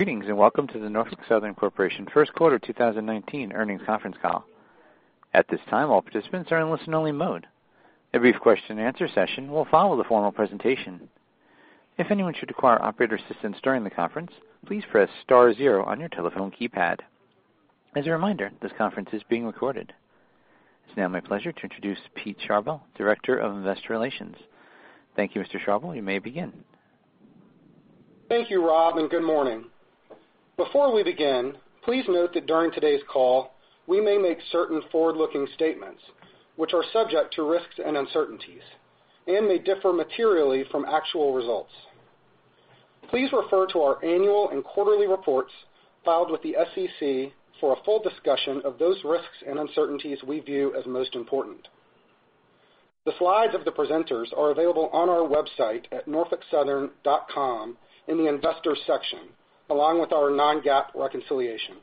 Greetings, and welcome to the Norfolk Southern Corporation first quarter 2019 earnings conference call. At this time, all participants are in listen only mode. A brief question and answer session will follow the formal presentation. If anyone should require operator assistance during the conference, please press star zero on your telephone keypad. As a reminder, this conference is being recorded. It's now my pleasure to introduce Peter Schabacker, Director of Investor Relations. Thank you, Mr. Schabacker. You may begin. Thank you, Rob, and good morning. Before we begin, please note that during today's call, we may make certain forward-looking statements, which are subject to risks and uncertainties and may differ materially from actual results. Please refer to our annual and quarterly reports filed with the SEC for a full discussion of those risks and uncertainties we view as most important. The slides of the presenters are available on our website at norfolksouthern.com in the investor section, along with our non-GAAP reconciliation.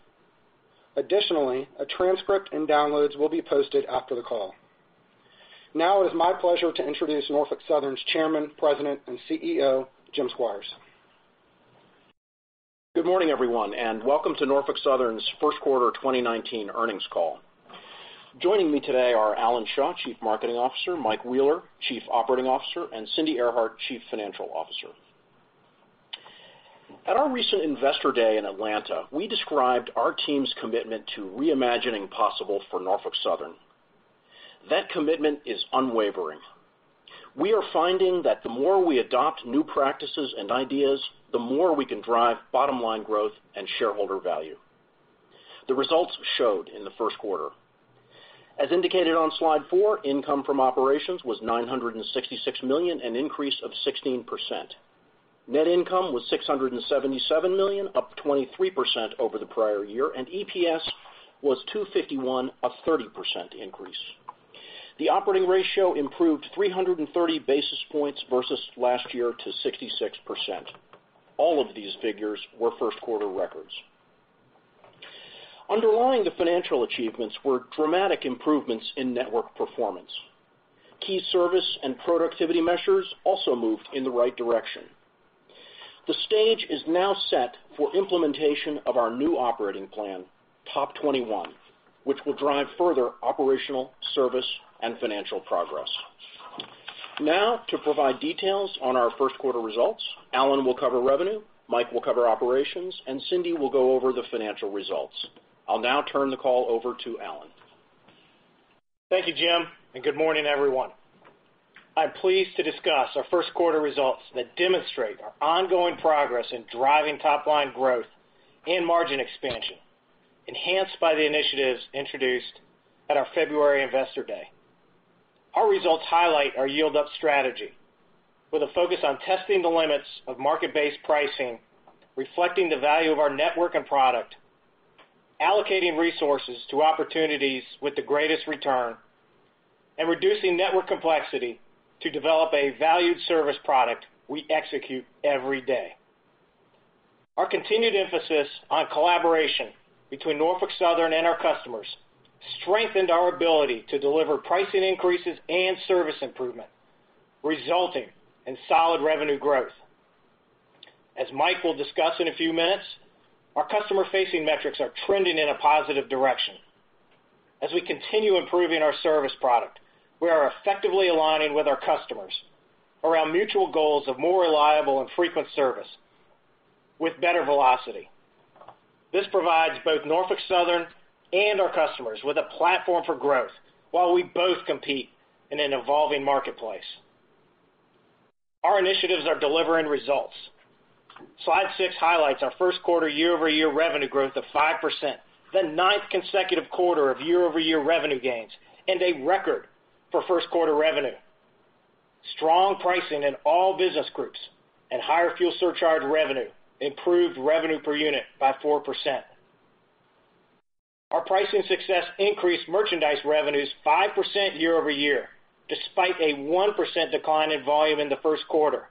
Additionally, a transcript and downloads will be posted after the call. It is my pleasure to introduce Norfolk Southern's Chairman, President, and CEO, Jim Squires. Good morning, everyone, and welcome to Norfolk Southern's first quarter 2019 earnings call. Joining me today are Alan Shaw, Chief Marketing Officer, Mike Wheeler, Chief Operating Officer, and Cindy Earhart, Chief Financial Officer. At our recent Investor Day in Atlanta, we described our team's commitment to reimagining possible for Norfolk Southern. That commitment is unwavering. We are finding that the more we adopt new practices and ideas, the more we can drive bottom-line growth and shareholder value. The results showed in the first quarter. As indicated on slide four, income from operations was $966 million, an increase of 16%. Net income was $677 million, up 23% over the prior year, and EPS was $2.51, a 30% increase. The operating ratio improved 330 basis points versus last year to 66%. All of these figures were first quarter records. Underlying the financial achievements were dramatic improvements in network performance. Key service and productivity measures also moved in the right direction. The stage is now set for implementation of our new operating plan, TOP 21, which will drive further operational, service, and financial progress. To provide details on our first quarter results, Alan will cover revenue, Mike will cover operations, and Cindy will go over the financial results. I'll now turn the call over to Alan. Thank you, Jim, and good morning, everyone. I'm pleased to discuss our first quarter results that demonstrate our ongoing progress in driving top-line growth and margin expansion, enhanced by the initiatives introduced at our February Investor Day. Our results highlight our yield-up strategy with a focus on testing the limits of market-based pricing, reflecting the value of our network and product, allocating resources to opportunities with the greatest return, and reducing network complexity to develop a valued service product we execute every day. Our continued emphasis on collaboration between Norfolk Southern and our customers strengthened our ability to deliver pricing increases and service improvement, resulting in solid revenue growth. As Mike will discuss in a few minutes, our customer-facing metrics are trending in a positive direction. As we continue improving our service product, we are effectively aligning with our customers around mutual goals of more reliable and frequent service with better velocity. This provides both Norfolk Southern and our customers with a platform for growth while we both compete in an evolving marketplace. Our initiatives are delivering results. Slide six highlights our first quarter year-over-year revenue growth of 5%, the ninth consecutive quarter of year-over-year revenue gains and a record for first quarter revenue. Strong pricing in all business groups and higher fuel surcharge revenue improved revenue per unit by 4%. Our pricing success increased merchandise revenues 5% year-over-year, despite a 1% decline in volume in the first quarter.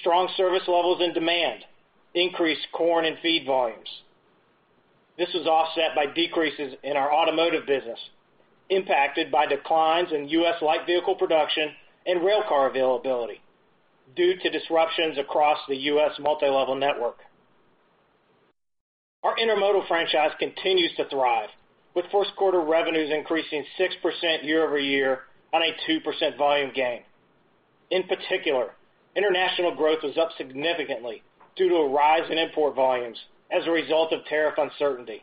Strong service levels and demand increased corn and feed volumes. This was offset by decreases in our automotive business, impacted by declines in U.S. light vehicle production and railcar availability due to disruptions across the U.S. multilevel network. Our intermodal franchise continues to thrive with first quarter revenues increasing 6% year-over-year on a 2% volume gain. In particular, international growth was up significantly due to a rise in import volumes as a result of tariff uncertainty.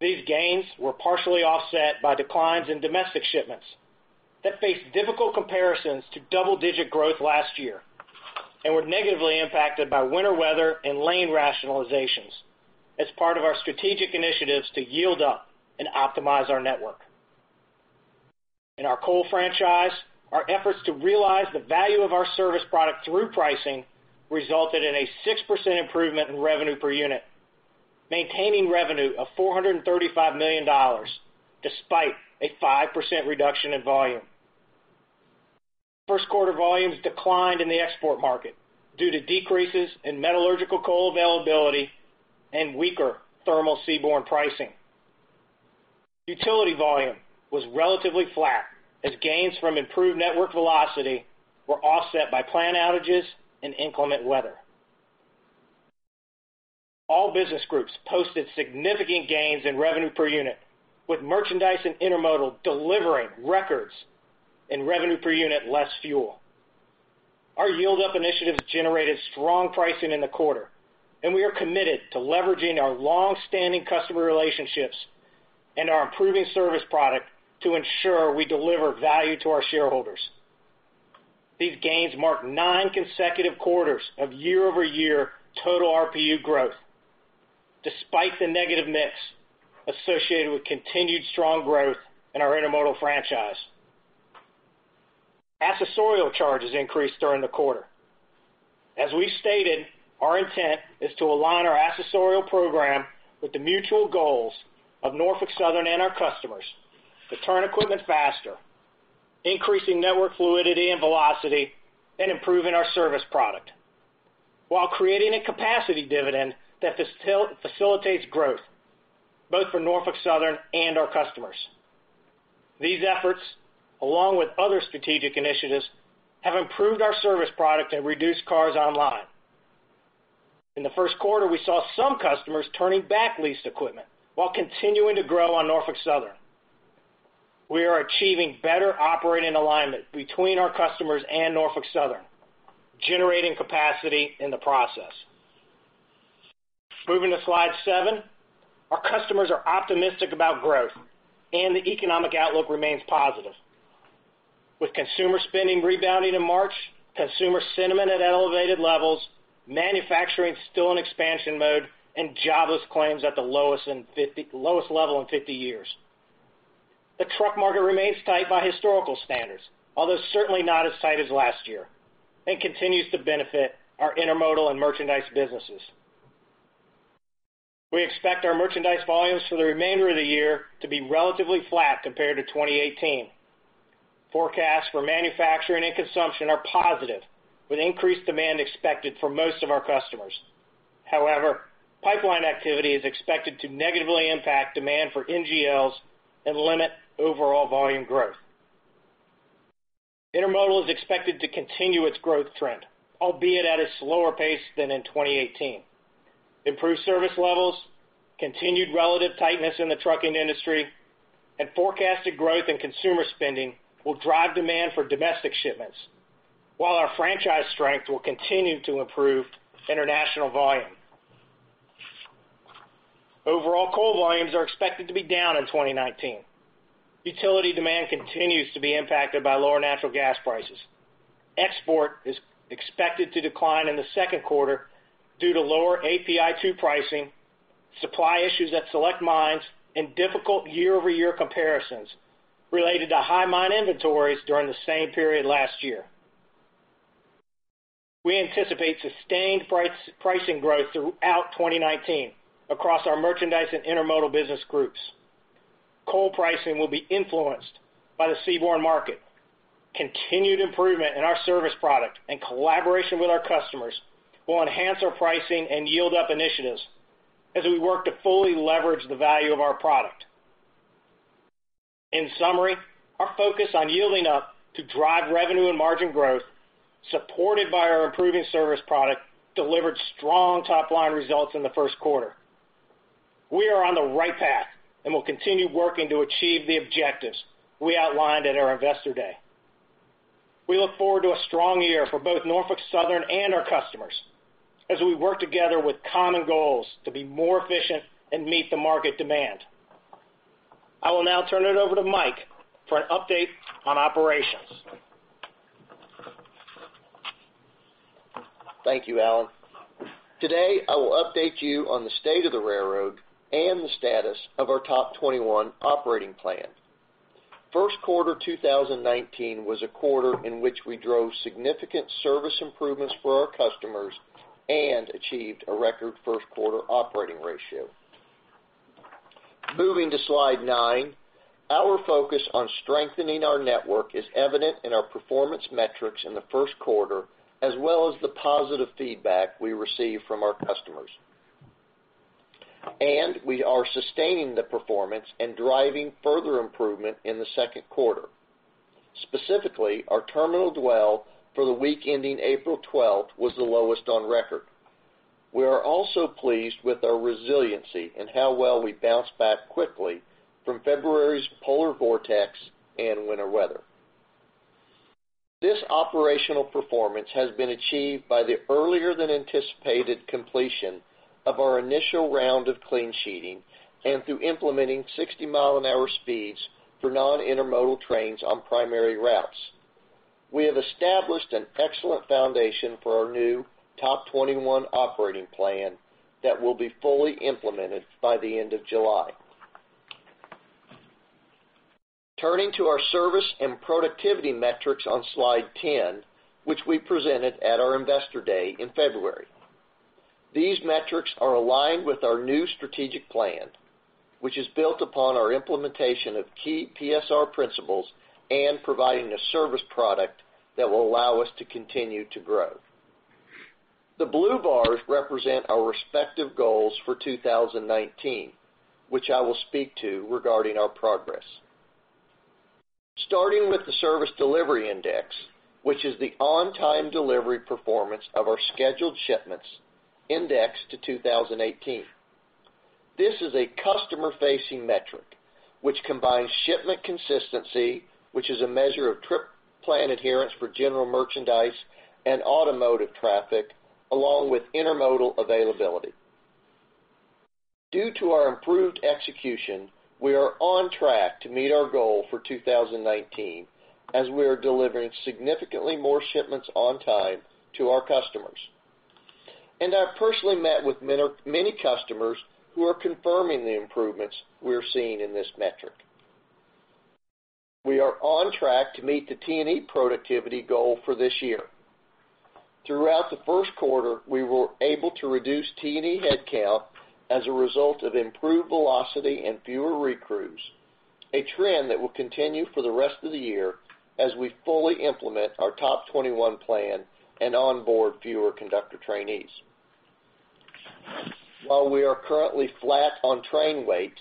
These gains were partially offset by declines in domestic shipments that faced difficult comparisons to double-digit growth last year and were negatively impacted by winter weather and lane rationalizations as part of our strategic initiatives to yield up and optimize our network. In our coal franchise, our efforts to realize the value of our service product through pricing resulted in a 6% improvement in revenue per unit, maintaining revenue of $435 million, despite a 5% reduction in volume. First quarter volumes declined in the export market due to decreases in metallurgical coal availability and weaker thermal seaborne pricing. Utility volume was relatively flat as gains from improved network velocity were offset by plant outages and inclement weather. All business groups posted significant gains in revenue per unit, with merchandise and intermodal delivering records in revenue per unit less fuel. Our yield-up initiatives generated strong pricing in the quarter, and we are committed to leveraging our longstanding customer relationships and our improving service product to ensure we deliver value to our shareholders. These gains mark nine consecutive quarters of year-over-year total RPU growth, despite the negative mix associated with continued strong growth in our intermodal franchise. Accessorial charges increased during the quarter. As we stated, our intent is to align our accessorial program with the mutual goals of Norfolk Southern and our customers to turn equipment faster, increasing network fluidity and velocity, and improving our service product while creating a capacity dividend that facilitates growth both for Norfolk Southern and our customers. These efforts, along with other strategic initiatives, have improved our service product and reduced Cars Online. In the first quarter, we saw some customers turning back leased equipment while continuing to grow on Norfolk Southern. We are achieving better operating alignment between our customers and Norfolk Southern, generating capacity in the process. Moving to slide seven. Our customers are optimistic about growth and the economic outlook remains positive. With consumer spending rebounding in March, consumer sentiment at elevated levels, manufacturing still in expansion mode, and jobless claims at the lowest level in 50 years. The truck market remains tight by historical standards, although certainly not as tight as last year and continues to benefit our intermodal and merchandise businesses. We expect our merchandise volumes for the remainder of the year to be relatively flat compared to 2018. Forecasts for manufacturing and consumption are positive, with increased demand expected for most of our customers. However, pipeline activity is expected to negatively impact demand for NGLs and limit overall volume growth. Intermodal is expected to continue its growth trend, albeit at a slower pace than in 2018. Improved service levels, continued relative tightness in the trucking industry, and forecasted growth in consumer spending will drive demand for domestic shipments, while our franchise strength will continue to improve international volume. Overall coal volumes are expected to be down in 2019. Utility demand continues to be impacted by lower natural gas prices. Export is expected to decline in the second quarter due to lower API2 pricing, supply issues at select mines, and difficult year-over-year comparisons related to high mine inventories during the same period last year. We anticipate sustained pricing growth throughout 2019 across our merchandise and intermodal business groups. Coal pricing will be influenced by the seaborne market. Continued improvement in our service product and collaboration with our customers will enhance our pricing and yield up initiatives as we work to fully leverage the value of our product. In summary, our focus on yielding up to drive revenue and margin growth, supported by our improving service product, delivered strong top-line results in the first quarter. We are on the right path and will continue working to achieve the objectives we outlined at our Investor Day. We look forward to a strong year for both Norfolk Southern and our customers as we work together with common goals to be more efficient and meet the market demand. I will now turn it over to Mike for an update on operations. Thank you, Alan. Today, I will update you on the state of the railroad and the status of our TOP 21 operating plan. First quarter 2019 was a quarter in which we drove significant service improvements for our customers and achieved a record first-quarter operating ratio. Moving to slide nine. Our focus on strengthening our network is evident in our performance metrics in the first quarter, as well as the positive feedback we receive from our customers. We are sustaining the performance and driving further improvement in the second quarter. Specifically, our terminal dwell for the week ending April 12th was the lowest on record. We are also pleased with our resiliency and how well we bounced back quickly from February's polar vortex and winter weather. This operational performance has been achieved by the earlier-than-anticipated completion of our initial round of clean sheeting and through implementing 60-mile-an-hour speeds for non-intermodal trains on primary routes. We have established an excellent foundation for our new TOP 21 operating plan that will be fully implemented by the end of July. Turning to our service and productivity metrics on slide 10, which we presented at our Investor Day in February. These metrics are aligned with our new strategic plan, which is built upon our implementation of key PSR principles and providing a service product that will allow us to continue to grow. The blue bars represent our respective goals for 2019, which I will speak to regarding our progress. Starting with the Service Delivery Index, which is the on-time delivery performance of our scheduled shipments indexed to 2018. This is a customer-facing metric which combines shipment consistency, which is a measure of trip plan adherence for general merchandise and automotive traffic, along with intermodal availability. Due to our improved execution, we are on track to meet our goal for 2019, as we are delivering significantly more shipments on time to our customers. I personally met with many customers who are confirming the improvements we're seeing in this metric. We are on track to meet the T&E productivity goal for this year. Throughout the first quarter, we were able to reduce T&E headcount as a result of improved velocity and fewer recruits, a trend that will continue for the rest of the year as we fully implement our TOP 21 plan and onboard fewer conductor trainees. While we are currently flat on train weight,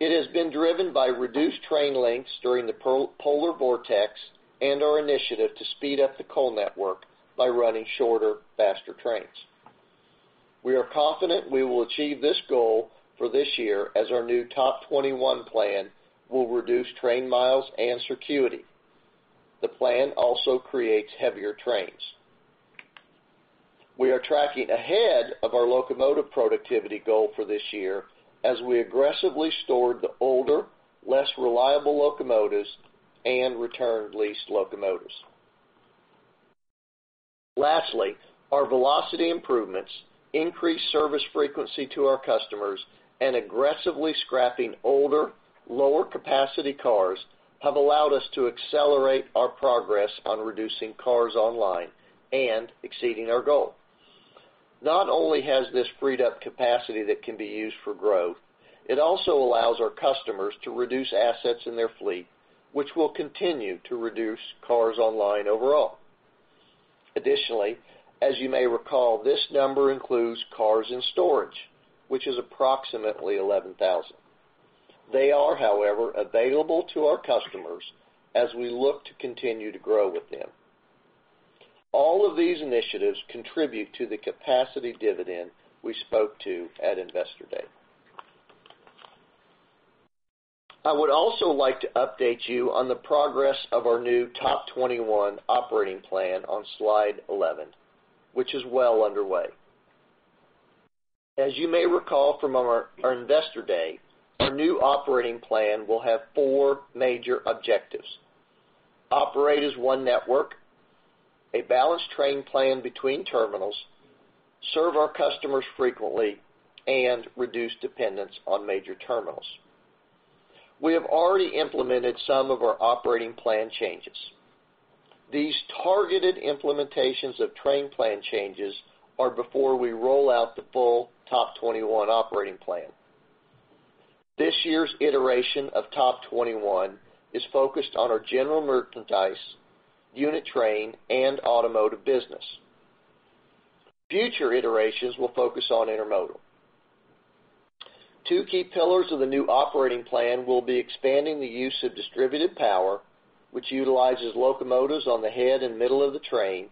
it has been driven by reduced train lengths during the polar vortex and our initiative to speed up the coal network by running shorter, faster trains. We are confident we will achieve this goal for this year as our new TOP 21 plan will reduce train miles and circuity. The plan also creates heavier trains. We are tracking ahead of our locomotive productivity goal for this year as we aggressively stored the older, less reliable locomotives and returned leased locomotives. Lastly, our velocity improvements, increased service frequency to our customers, and aggressively scrapping older, lower capacity cars have allowed us to accelerate our progress on reducing Cars Online and exceeding our goal. Not only has this freed up capacity that can be used for growth, it also allows our customers to reduce assets in their fleet, which will continue to reduce Cars Online overall. Additionally, as you may recall, this number includes cars in storage, which is approximately 11,000. They are, however, available to our customers as we look to continue to grow with them. All of these initiatives contribute to the capacity dividend we spoke to at Investor Day. I would also like to update you on the progress of our new TOP 21 operating plan on slide 11, which is well underway. As you may recall from our Investor Day, our new operating plan will have four major objectives. Operate as one network, a balanced train plan between terminals, serve our customers frequently, and reduce dependence on major terminals. We have already implemented some of our operating plan changes. These targeted implementations of train plan changes are before we roll out the full TOP 21 operating plan. This year's iteration of TOP 21 is focused on our general merchandise, unit train, and automotive business. Future iterations will focus on intermodal. Two key pillars of the new operating plan will be expanding the use of distributed power, which utilizes locomotives on the head and middle of the train,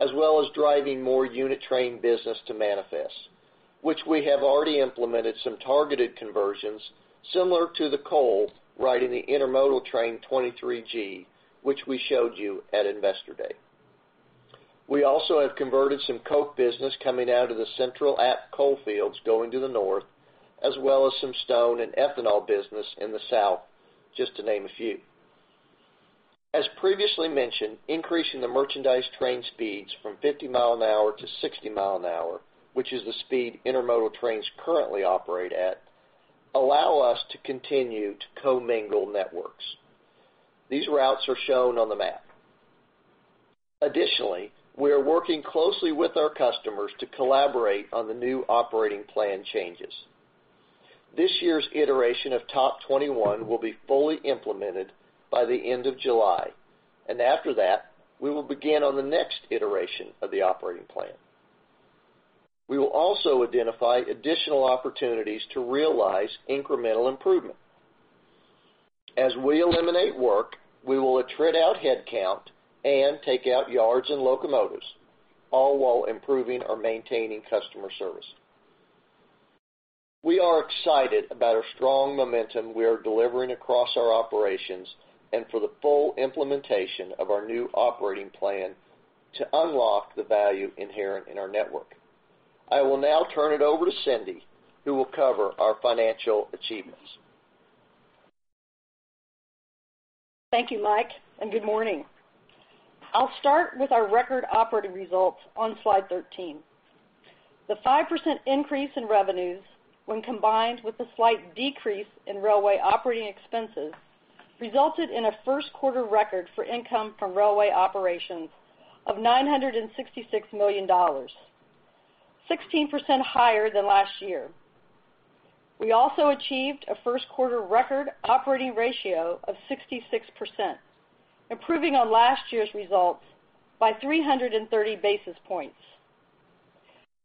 as well as driving more unit train business to manifest, which we have already implemented some targeted conversions similar to the coal riding the intermodal train 23G, which we showed you at Investor Day. We also have converted some coke business coming out of the Central Appalachian coal fields going to the north, as well as some stone and ethanol business in the south, just to name a few. As previously mentioned, increasing the merchandise train speeds from 50 mile an hour to 60 mile an hour, which is the speed intermodal trains currently operate at, allow us to continue to commingle networks. These routes are shown on the map. Additionally, we are working closely with our customers to collaborate on the new operating plan changes. This year's iteration of TOP 21 will be fully implemented by the end of July. After that, we will begin on the next iteration of the operating plan. We will also identify additional opportunities to realize incremental improvement. As we eliminate work, we will attrit out headcount and take out yards and locomotives, all while improving or maintaining customer service. We are excited about our strong momentum we are delivering across our operations and for the full implementation of our new operating plan to unlock the value inherent in our network. I will now turn it over to Cindy, who will cover our financial achievements. Thank you, Mike, and good morning. I'll start with our record operating results on slide 13. The 5% increase in revenues when combined with the slight decrease in railway operating expenses, resulted in a first quarter record for income from railway operations of $966 million, 16% higher than last year. We also achieved a first quarter record operating ratio of 66%, improving on last year's results by 330 basis points.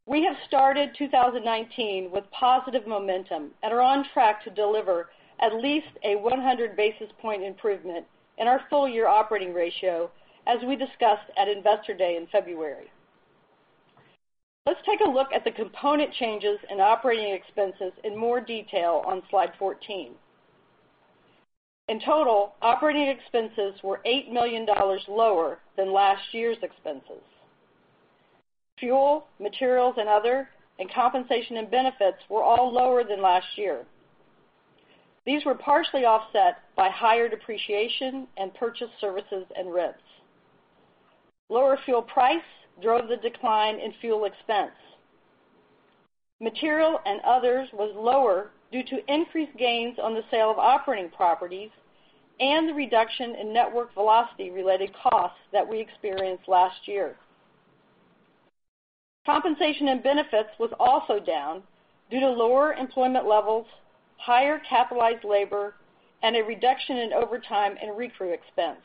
We have started 2019 with positive momentum and are on track to deliver at least a 100 basis point improvement in our full-year operating ratio, as we discussed at Investor Day in February. Let's take a look at the component changes in operating expenses in more detail on slide 14. In total, operating expenses were $8 million lower than last year's expenses. Fuel, materials and other, and compensation and benefits were all lower than last year. These were partially offset by higher depreciation and purchase services and rents. Lower fuel price drove the decline in fuel expense. Materials and other was lower due to increased gains on the sale of operating properties and the reduction in network velocity-related costs that we experienced last year. Compensation and benefits was also down due to lower employment levels, higher capitalized labor, and a reduction in overtime and recruit expense.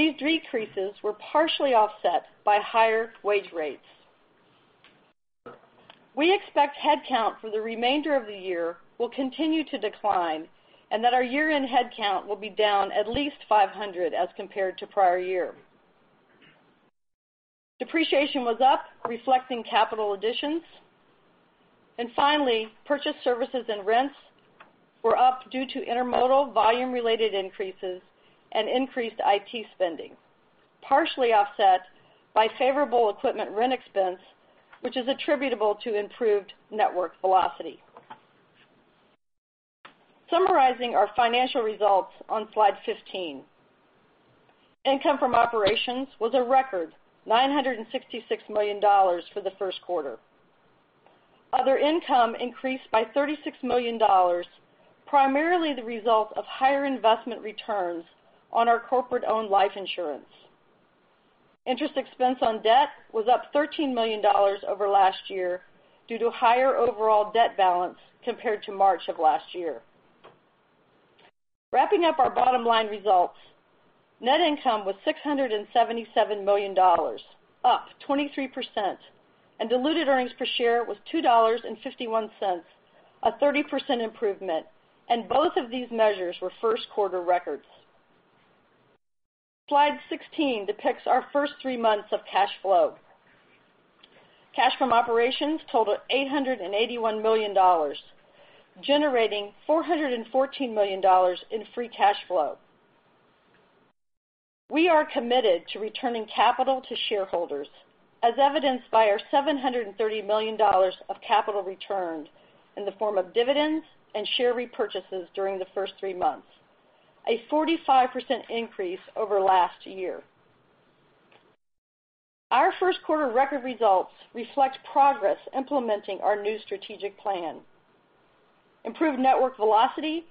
These decreases were partially offset by higher wage rates. We expect headcount for the remainder of the year will continue to decline, and that our year-end headcount will be down at least 500 as compared to prior year. Depreciation was up, reflecting capital additions. Finally, purchase services and rents were up due to intermodal volume-related increases and increased IT spending, partially offset by favorable equipment rent expense, which is attributable to improved network velocity. Summarizing our financial results on slide 15. Income from operations was a record $966 million for the first quarter. Other income increased by $36 million, primarily the result of higher investment returns on our corporate-owned life insurance. Interest expense on debt was up $13 million over last year due to higher overall debt balance compared to March of last year. Wrapping up our bottom line results, net income was $677 million, up 23%, and diluted earnings per share was $2.51, a 30% improvement, and both of these measures were first quarter records. Slide 16 depicts our first three months of cash flow. Cash from operations totaled $881 million, generating $414 million in free cash flow. We are committed to returning capital to shareholders, as evidenced by our $730 million of capital returned in the form of dividends and share repurchases during the first three months, a 45% increase over last year. Our first quarter record results reflect progress implementing our new strategic plan. Improved network velocity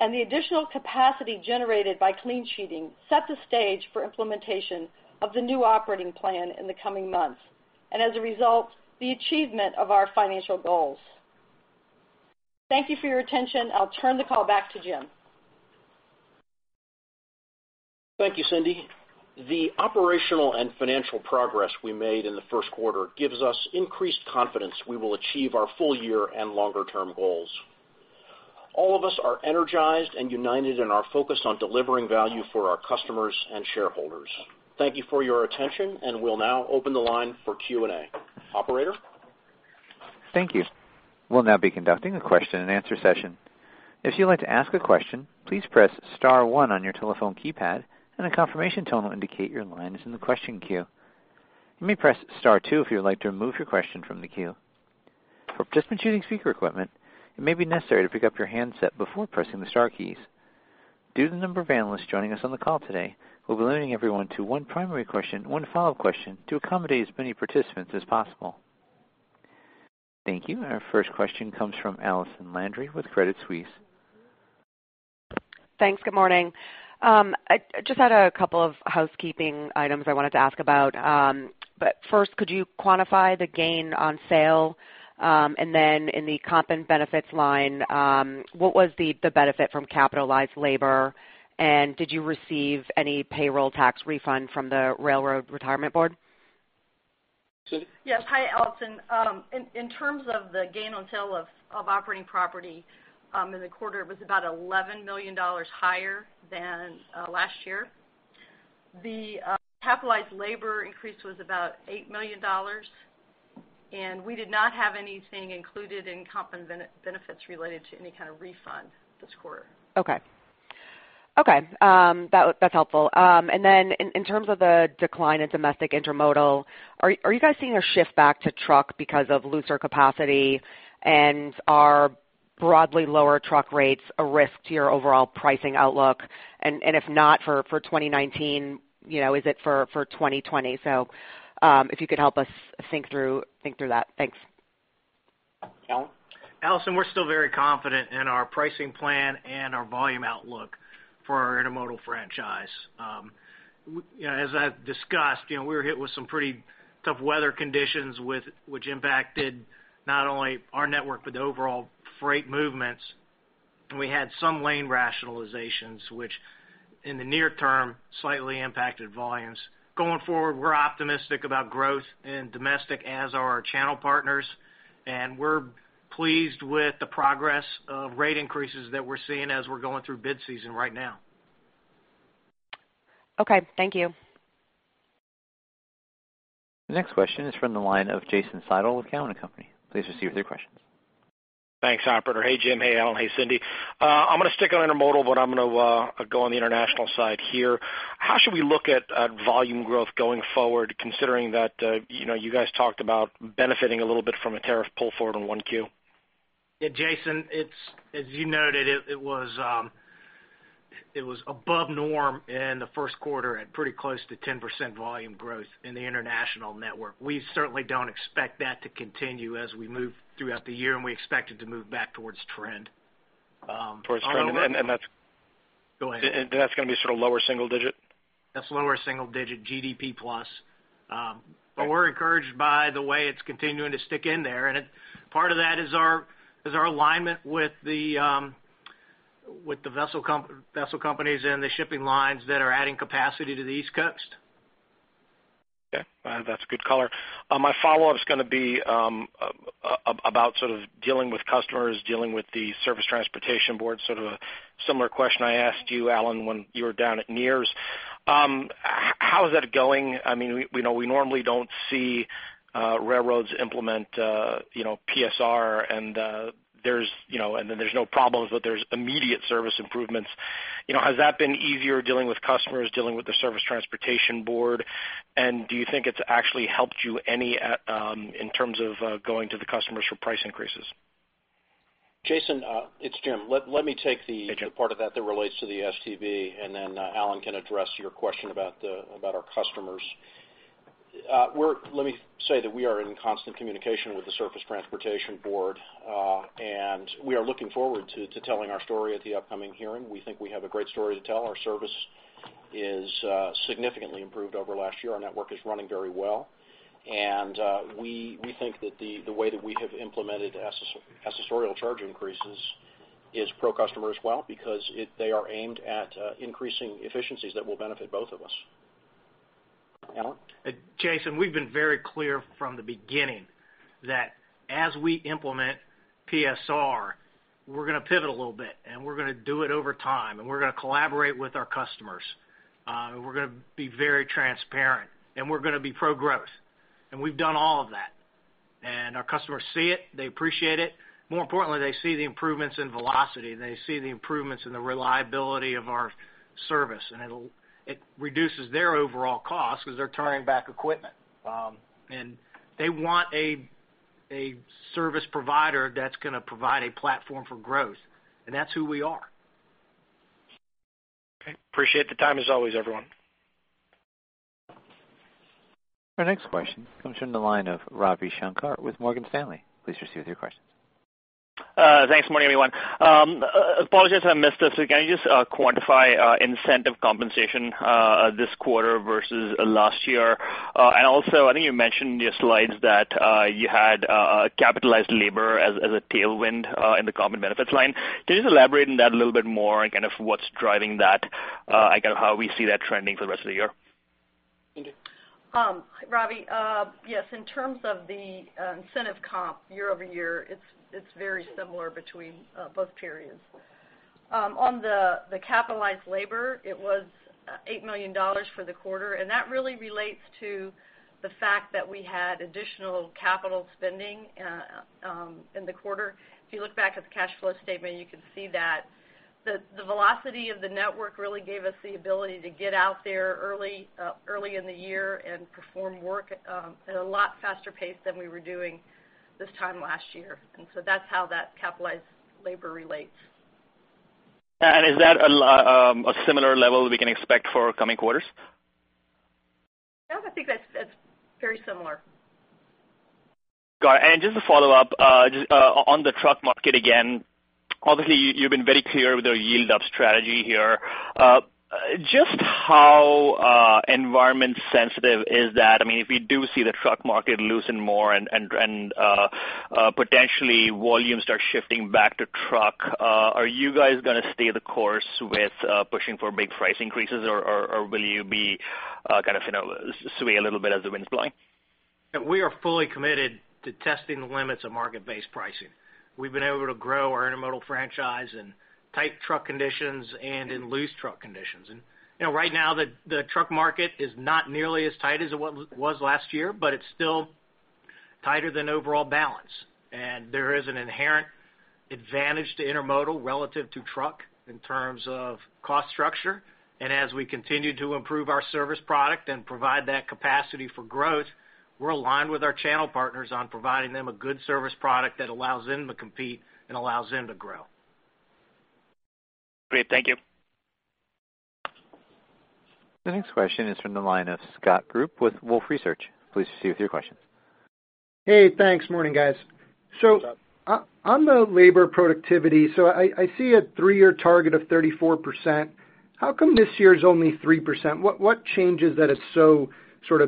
and the additional capacity generated by clean sheeting set the stage for implementation of the new operating plan in the coming months, and as a result, the achievement of our financial goals. Thank you for your attention. I'll turn the call back to Jim. Thank you, Cindy. The operational and financial progress we made in the first quarter gives us increased confidence we will achieve our full year and longer-term goals. All of us are energized and united in our focus on delivering value for our customers and shareholders. Thank you for your attention, and we'll now open the line for Q&A. Operator? Thank you. We'll now be conducting a question and answer session. If you'd like to ask a question, please press *1 on your telephone keypad, and a confirmation tone will indicate your line is in the question queue. You may press *2 if you would like to remove your question from the queue. For participants using speaker equipment, it may be necessary to pick up your handset before pressing the star keys. Due to the number of analysts joining us on the call today, we'll be limiting everyone to one primary question and one follow-up question to accommodate as many participants as possible. Thank you. Our first question comes from Allison Landry with Credit Suisse. Thanks. Good morning. I just had a couple of housekeeping items I wanted to ask about. First, could you quantify the gain on sale? Then in the comp and benefits line, what was the benefit from capitalized labor, and did you receive any payroll tax refund from the Railroad Retirement Board? Yes. Hi, Allison. In terms of the gain on sale of operating property in the quarter, it was about $11 million higher than last year. The capitalized labor increase was about $8 million. We did not have anything included in comp and benefits related to any kind of refund this quarter. Okay. That's helpful. In terms of the decline in domestic intermodal, are you guys seeing a shift back to truck because of looser capacity? Are broadly lower truck rates a risk to your overall pricing outlook? If not for 2019, is it for 2020? If you could help us think through that. Thanks. Allison, we're still very confident in our pricing plan and our volume outlook for our intermodal franchise. As I discussed, we were hit with some pretty tough weather conditions, which impacted not only our network, but overall freight movements. We had some lane rationalizations, which in the near term slightly impacted volumes. Going forward, we're optimistic about growth in domestic, as are our channel partners, and we're pleased with the progress of rate increases that we're seeing as we're going through bid season right now. Okay. Thank you. The next question is from the line of Jason Seidl with Cowen and Company. Please proceed with your questions. Thanks, operator. Hey, Jim. Hey, Alan. Hey, Cindy. I'm going to stick on intermodal. I'm going to go on the international side here. How should we look at volume growth going forward, considering that you guys talked about benefiting a little bit from a tariff pull forward on 1Q? Yeah, Jason, as you noted, it was above norm in the first quarter at pretty close to 10% volume growth in the international network. We certainly don't expect that to continue as we move throughout the year. We expect it to move back towards trend. Towards trend. Go ahead. That's going to be sort of lower single digit? That's lower single digit GDP plus. We're encouraged by the way it's continuing to stick in there, and part of that is our alignment with the vessel companies and the shipping lines that are adding capacity to the East Coast. Okay. That's a good color. My follow-up's going to be about sort of dealing with customers, dealing with the Surface Transportation Board, sort of a similar question I asked you, Alan, when you were down at NERS. How is that going? We normally don't see railroads implement PSR, and then there's no problems, but there's immediate service improvements. Has that been easier dealing with customers, dealing with the Surface Transportation Board, and do you think it's actually helped you any in terms of going to the customers for price increases? Jason, it's Jim. Let me take the. Hey, Jim. part of that relates to the STB. Then Alan can address your question about our customers. Let me say that we are in constant communication with the Surface Transportation Board, and we are looking forward to telling our story at the upcoming hearing. We think we have a great story to tell. Our service is significantly improved over last year. Our network is running very well. We think that the way that we have implemented accessorial charge increases is pro-customer as well because they are aimed at increasing efficiencies that will benefit both of us. Alan? Jason, we've been very clear from the beginning that as we implement PSR, we're going to pivot a little bit, and we're going to do it over time, and we're going to collaborate with our customers. We're going to be very transparent, and we're going to be pro-growth. We've done all of that. Our customers see it. They appreciate it. More importantly, they see the improvements in velocity, and they see the improvements in the reliability of our service. It reduces their overall cost because they're turning back equipment. They want a service provider that's going to provide a platform for growth, and that's who we are. Okay. Appreciate the time as always, everyone. Our next question comes from the line of Ravi Shanker with Morgan Stanley. Please proceed with your questions. Thanks. Morning, everyone. Apologies, I missed this. Can you just quantify incentive compensation this quarter versus last year? Also, I think you mentioned in your slides that you had capitalized labor as a tailwind in the common benefits line. Can you just elaborate on that a little bit more and kind of what's driving that and kind of how we see that trending for the rest of the year? Thank you. Ravi. Yes. In terms of the incentive comp year-over-year, it's very similar between both periods. On the capitalized labor, it was $8 million for the quarter, and that really relates to the fact that we had additional capital spending in the quarter. If you look back at the cash flow statement, you can see that the velocity of the network really gave us the ability to get out there early in the year and perform work at a lot faster pace than we were doing this time last year. So that's how that capitalized labor relates. Is that a similar level we can expect for coming quarters? Yes, I think that's very similar. Got it. Just to follow up, on the truck market again, obviously, you've been very clear with your yield-up strategy here. Just how environment sensitive is that? If we do see the truck market loosen more and potentially volume start shifting back to truck, are you guys going to stay the course with pushing for big price increases, or will you be kind of sway a little bit as the wind's blowing? We are fully committed to testing the limits of market-based pricing. We've been able to grow our intermodal franchise in tight truck conditions and in loose truck conditions. Right now, the truck market is not nearly as tight as it was last year, but it's still tighter than overall balance. There is an inherent advantage to intermodal relative to truck in terms of cost structure. As we continue to improve our service product and provide that capacity for growth, we're aligned with our channel partners on providing them a good service product that allows them to compete and allows them to grow. Great. Thank you. The next question is from the line of Scott Group with Wolfe Research. Please proceed with your questions. Hey, thanks. Morning, guys. What's up? On the labor productivity, I see a three-year target of 34%. How come this year is only 3%? What changes that it's so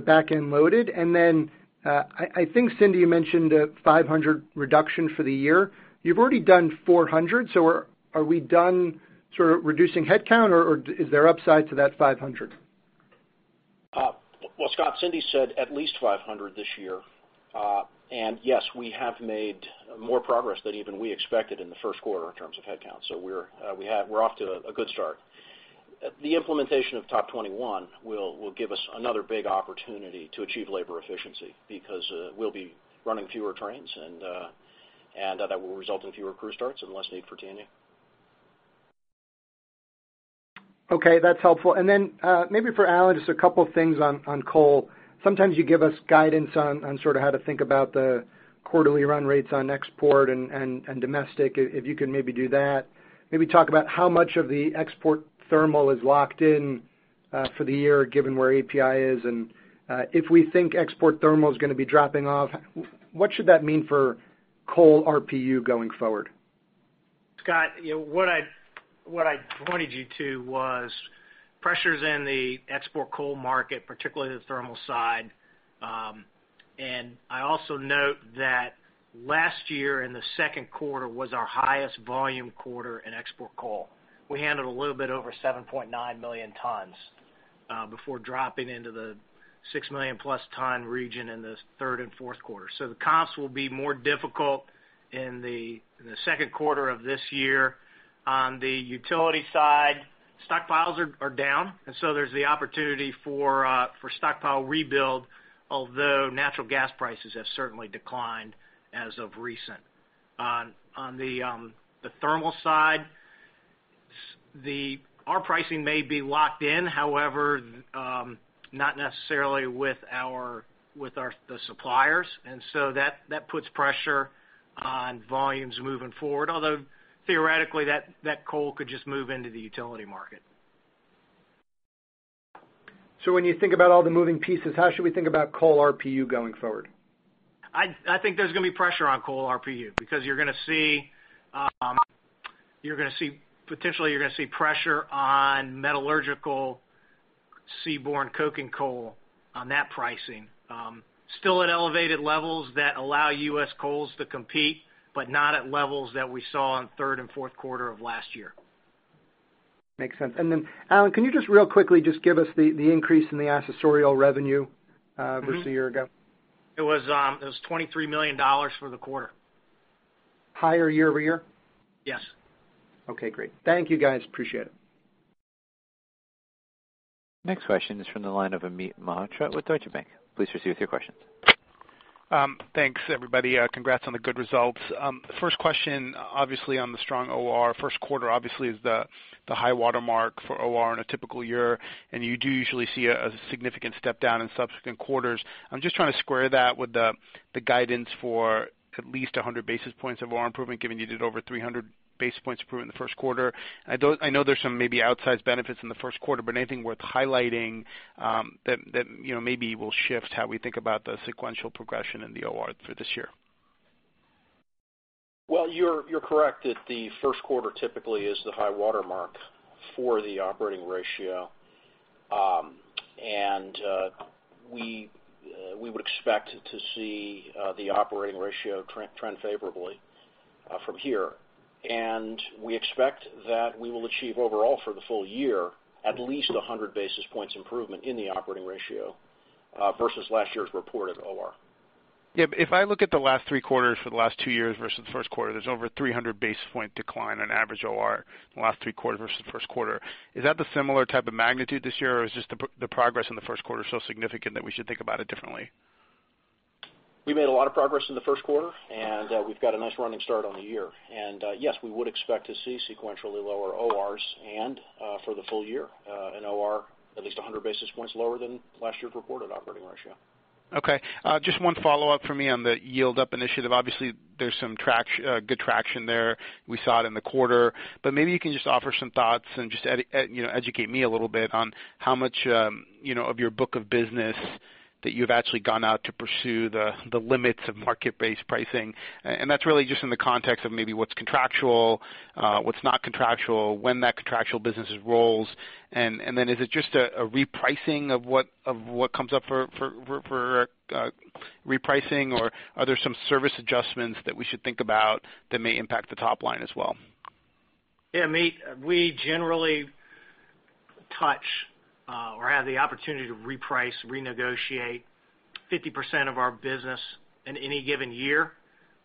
back-end loaded? Then, I think Cindy mentioned a 500 reduction for the year. You've already done 400, so are we done sort of reducing headcount, or is there upside to that 500? Well, Scott, Cindy said at least 500 this year. Yes, we have made more progress than even we expected in the first quarter in terms of headcount. We're off to a good start. The implementation of TOP 21 will give us another big opportunity to achieve labor efficiency because we'll be running fewer trains and that will result in fewer crew starts and less need for T&E. Okay, that's helpful. Then, maybe for Alan, just a couple of things on coal. Sometimes you give us guidance on how to think about the quarterly run rates on export and domestic, if you can maybe do that. Maybe talk about how much of the export thermal is locked in for the year, given where API2 is, and if we think export thermal is going to be dropping off, what should that mean for coal RPU going forward? Scott, what I pointed you to was pressures in the export coal market, particularly the thermal side. I also note that last year in the second quarter was our highest volume quarter in export coal. We handled a little bit over 7.9 million tons, before dropping into the 6 million plus ton region in the third and fourth quarter. The comps will be more difficult in the second quarter of this year. On the utility side, stockpiles are down, there's the opportunity for stockpile rebuild, although natural gas prices have certainly declined as of recent. On the thermal side, our pricing may be locked in, however, not necessarily with the suppliers, that puts pressure on volumes moving forward. Although theoretically, that coal could just move into the utility market. When you think about all the moving pieces, how should we think about coal RPU going forward? I think there's going to be pressure on coal RPU because potentially you're going to see pressure on metallurgical seaborne coking coal on that pricing. Still at elevated levels that allow U.S. coals to compete, but not at levels that we saw in third and fourth quarter of last year. Makes sense. Then Alan, can you just real quickly just give us the increase in the accessorial revenue versus a year ago? It was $23 million for the quarter. Higher year-over-year? Yes. Okay, great. Thank you, guys. Appreciate it. Next question is from the line of Amit Mehrotra with Deutsche Bank. Please proceed with your question. Thanks, everybody. Congrats on the good results. First question, obviously on the strong OR. First quarter obviously is the high water mark for OR in a typical year, and you do usually see a significant step down in subsequent quarters. I am just trying to square that with the guidance for at least 100 basis points of OR improvement, given you did over 300 basis points improvement in the first quarter. I know there is some maybe outsized benefits in the first quarter. Anything worth highlighting that maybe will shift how we think about the sequential progression in the OR through this year? Well, you are correct that the first quarter typically is the high water mark for the operating ratio. We would expect to see the operating ratio trend favorably from here. We expect that we will achieve overall for the full year, at least 100 basis points improvement in the operating ratio, versus last year's reported OR. Yeah, if I look at the last three quarters for the last two years versus first quarter, there's over 300 basis point decline on average OR in the last three quarters versus first quarter. Is that the similar type of magnitude this year, or is just the progress in the first quarter so significant that we should think about it differently? We made a lot of progress in the first quarter, and we've got a nice running start on the year. Yes, we would expect to see sequentially lower ORs and, for the full year, an OR at least 100 basis points lower than last year's reported operating ratio. Okay. Just one follow-up from me on the yield-up strategy initiative. Obviously, there's some good traction there. We saw it in the quarter. Maybe you can just offer some thoughts and just educate me a little bit on how much of your book of business that you've actually gone out to pursue the limits of market-based pricing. That's really just in the context of maybe what's contractual, what's not contractual, when that contractual business rolls. Then is it just a repricing of what comes up for repricing, or are there some service adjustments that we should think about that may impact the top line as well? Yeah, Amit, we generally touch, or have the opportunity to reprice, renegotiate 50% of our business in any given year.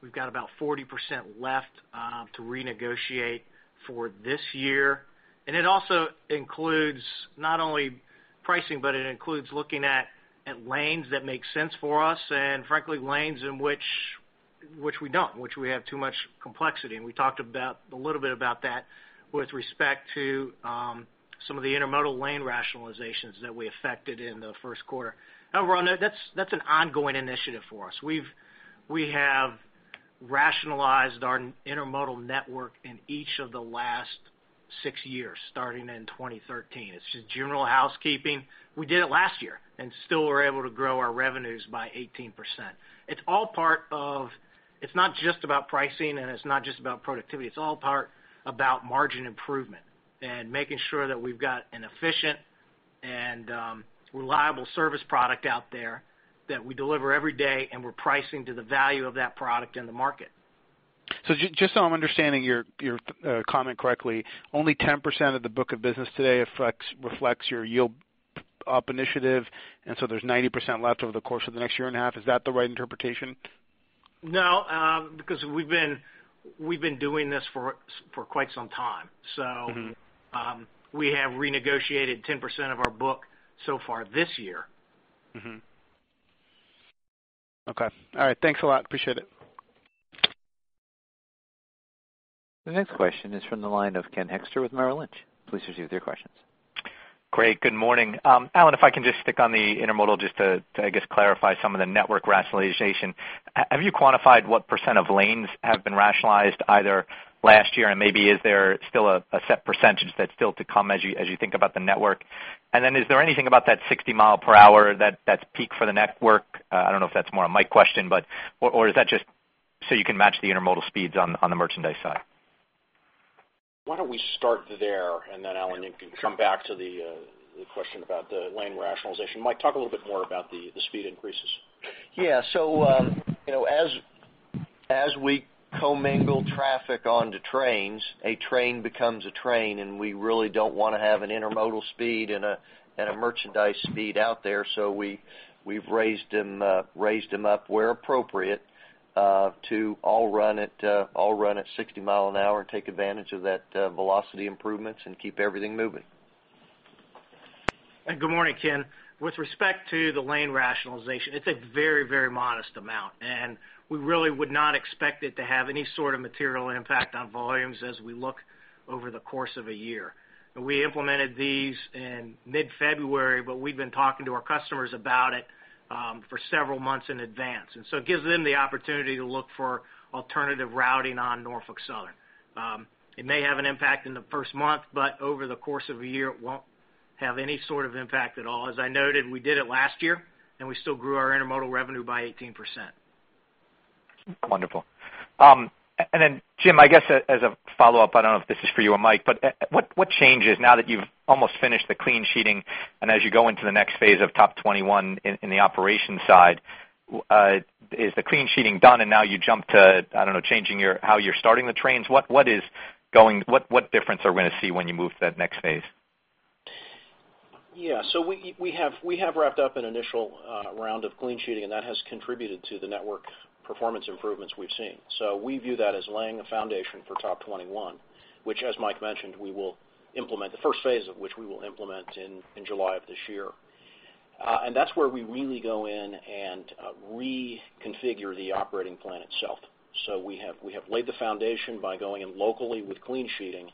We've got about 40% left to renegotiate for this year. It also includes not only pricing, but it includes looking at lanes that make sense for us and frankly, lanes in which we don't, which we have too much complexity. We talked a little bit about that with respect to some of the intermodal lane rationalizations that we affected in the first quarter. However, that's an ongoing initiative for us. We have rationalized our intermodal network in each of the last six years, starting in 2013. It's just general housekeeping. We did it last year and still were able to grow our revenues by 18%. It's not just about pricing, and it's not just about productivity. It's all part about margin improvement and making sure that we've got an efficient and reliable service product out there that we deliver every day, and we're pricing to the value of that product in the market. Just so I'm understanding your comment correctly, only 10% of the book of business today reflects your yield-up initiative, and there's 90% left over the course of the next year and a half. Is that the right interpretation? No, because we've been doing this for quite some time. We have renegotiated 10% of our book so far this year. Mm-hmm. Okay. All right. Thanks a lot. Appreciate it. The next question is from the line of Ken Hoexter with Merrill Lynch. Please proceed with your questions. Great. Good morning. Alan, if I can just stick on the intermodal, just to, I guess, clarify some of the network rationalization. Have you quantified what % of lanes have been rationalized either last year, and maybe is there still a set % that's still to come as you think about the network? Is there anything about that 60 mph that's peak for the network? I don't know if that's more a Mike question, or is that just so you can match the intermodal speeds on the merchandise side? Why don't we start there, and then, Alan, you can come back to the question about the lane rationalization. Mike, talk a little bit more about the speed increases. Yeah. As we commingle traffic onto trains, a train becomes a train, and we really don't want to have an intermodal speed and a merchandise speed out there. We've raised them up where appropriate, to all run at 60 miles an hour and take advantage of that velocity improvements and keep everything moving. Good morning, Ken. With respect to the lane rationalization, it's a very modest amount, and we really would not expect it to have any sort of material impact on volumes as we look over the course of a year. We implemented these in mid-February, but we've been talking to our customers about it for several months in advance. It gives them the opportunity to look for alternative routing on Norfolk Southern. It may have an impact in the first month, but over the course of a year, it won't have any sort of impact at all. As I noted, we did it last year, and we still grew our intermodal revenue by 18%. Wonderful. Jim, I guess as a follow-up, I don't know if this is for you or Mike, but what changes now that you've almost finished the clean sheeting and as you go into the next phase of TOP 21 in the operations side, is the clean sheeting done and now you jump to, I don't know, changing how you're starting the trains? What difference are we going to see when you move to that next phase? Yeah. We have wrapped up an initial round of clean sheeting, and that has contributed to the network performance improvements we've seen. We view that as laying a foundation for TOP 21, which, as Mike mentioned, the first phase of which we will implement in July of this year. That's where we really go in and reconfigure the operating plan itself. We have laid the foundation by going in locally with clean sheeting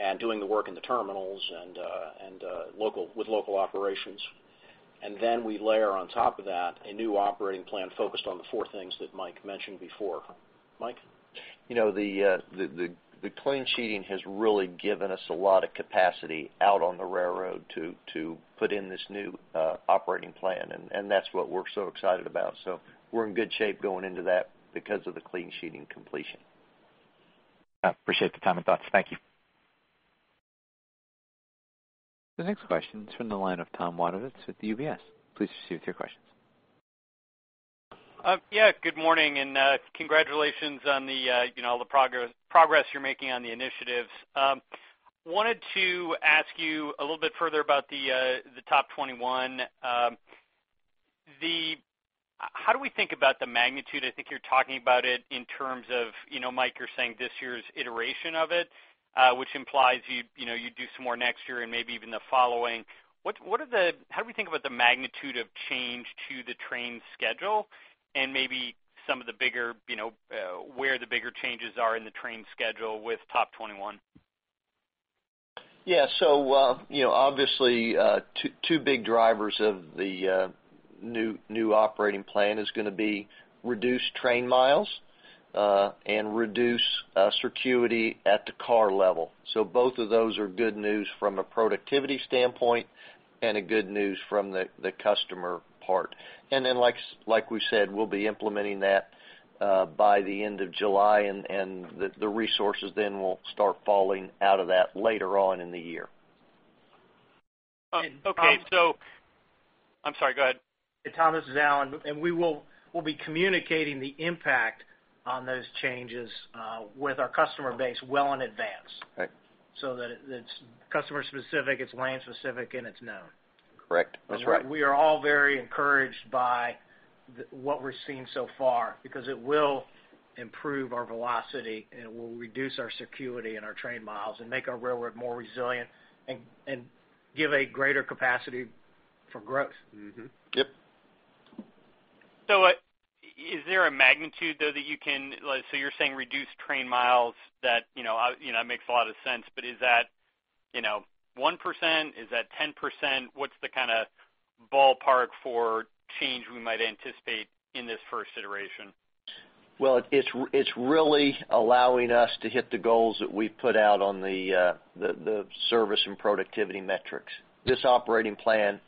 and doing the work in the terminals and with local operations. We layer on top of that a new operating plan focused on the four things that Mike mentioned before. Mike? The clean sheeting has really given us a lot of capacity out on the railroad to put in this new operating plan, and that's what we're so excited about. We're in good shape going into that because of the clean sheeting completion. Appreciate the time and thoughts. Thank you. The next question is from the line of Tom Wadewitz with UBS. Please proceed with your questions. Good morning and congratulations on all the progress you're making on the initiatives. Wanted to ask you a little bit further about the TOP 21. How do we think about the magnitude? I think you're talking about it in terms of, Mike, you're saying this year's iteration of it, which implies you do some more next year and maybe even the following. How do we think about the magnitude of change to the train schedule and maybe where the bigger changes are in the train schedule with TOP 21? Yeah. Obviously, two big drivers of the new operating plan is going to be reduced train miles, and reduced circuity at the car level. Both of those are good news from a productivity standpoint and a good news from the customer part. Like we said, we'll be implementing that by the end of July, the resources then will start falling out of that later on in the year. Okay. I'm sorry, go ahead. Hey, Tom, this is Alan, we'll be communicating the impact on those changes with our customer base well in advance. Right. That it's customer specific, it's lane specific, and it's known. Correct. That's right. We are all very encouraged by what we're seeing so far because it will improve our velocity, and it will reduce our circuity and our train miles and make our railroad more resilient and give a greater capacity for growth. Yep. Is there a magnitude, though, that you're saying reduced train miles, that makes a lot of sense. Is that 1%? Is that 10%? What's the kind of ballpark for change we might anticipate in this first iteration? Well, it's really allowing us to hit the goals that we've put out on the service and productivity metrics. This operating plan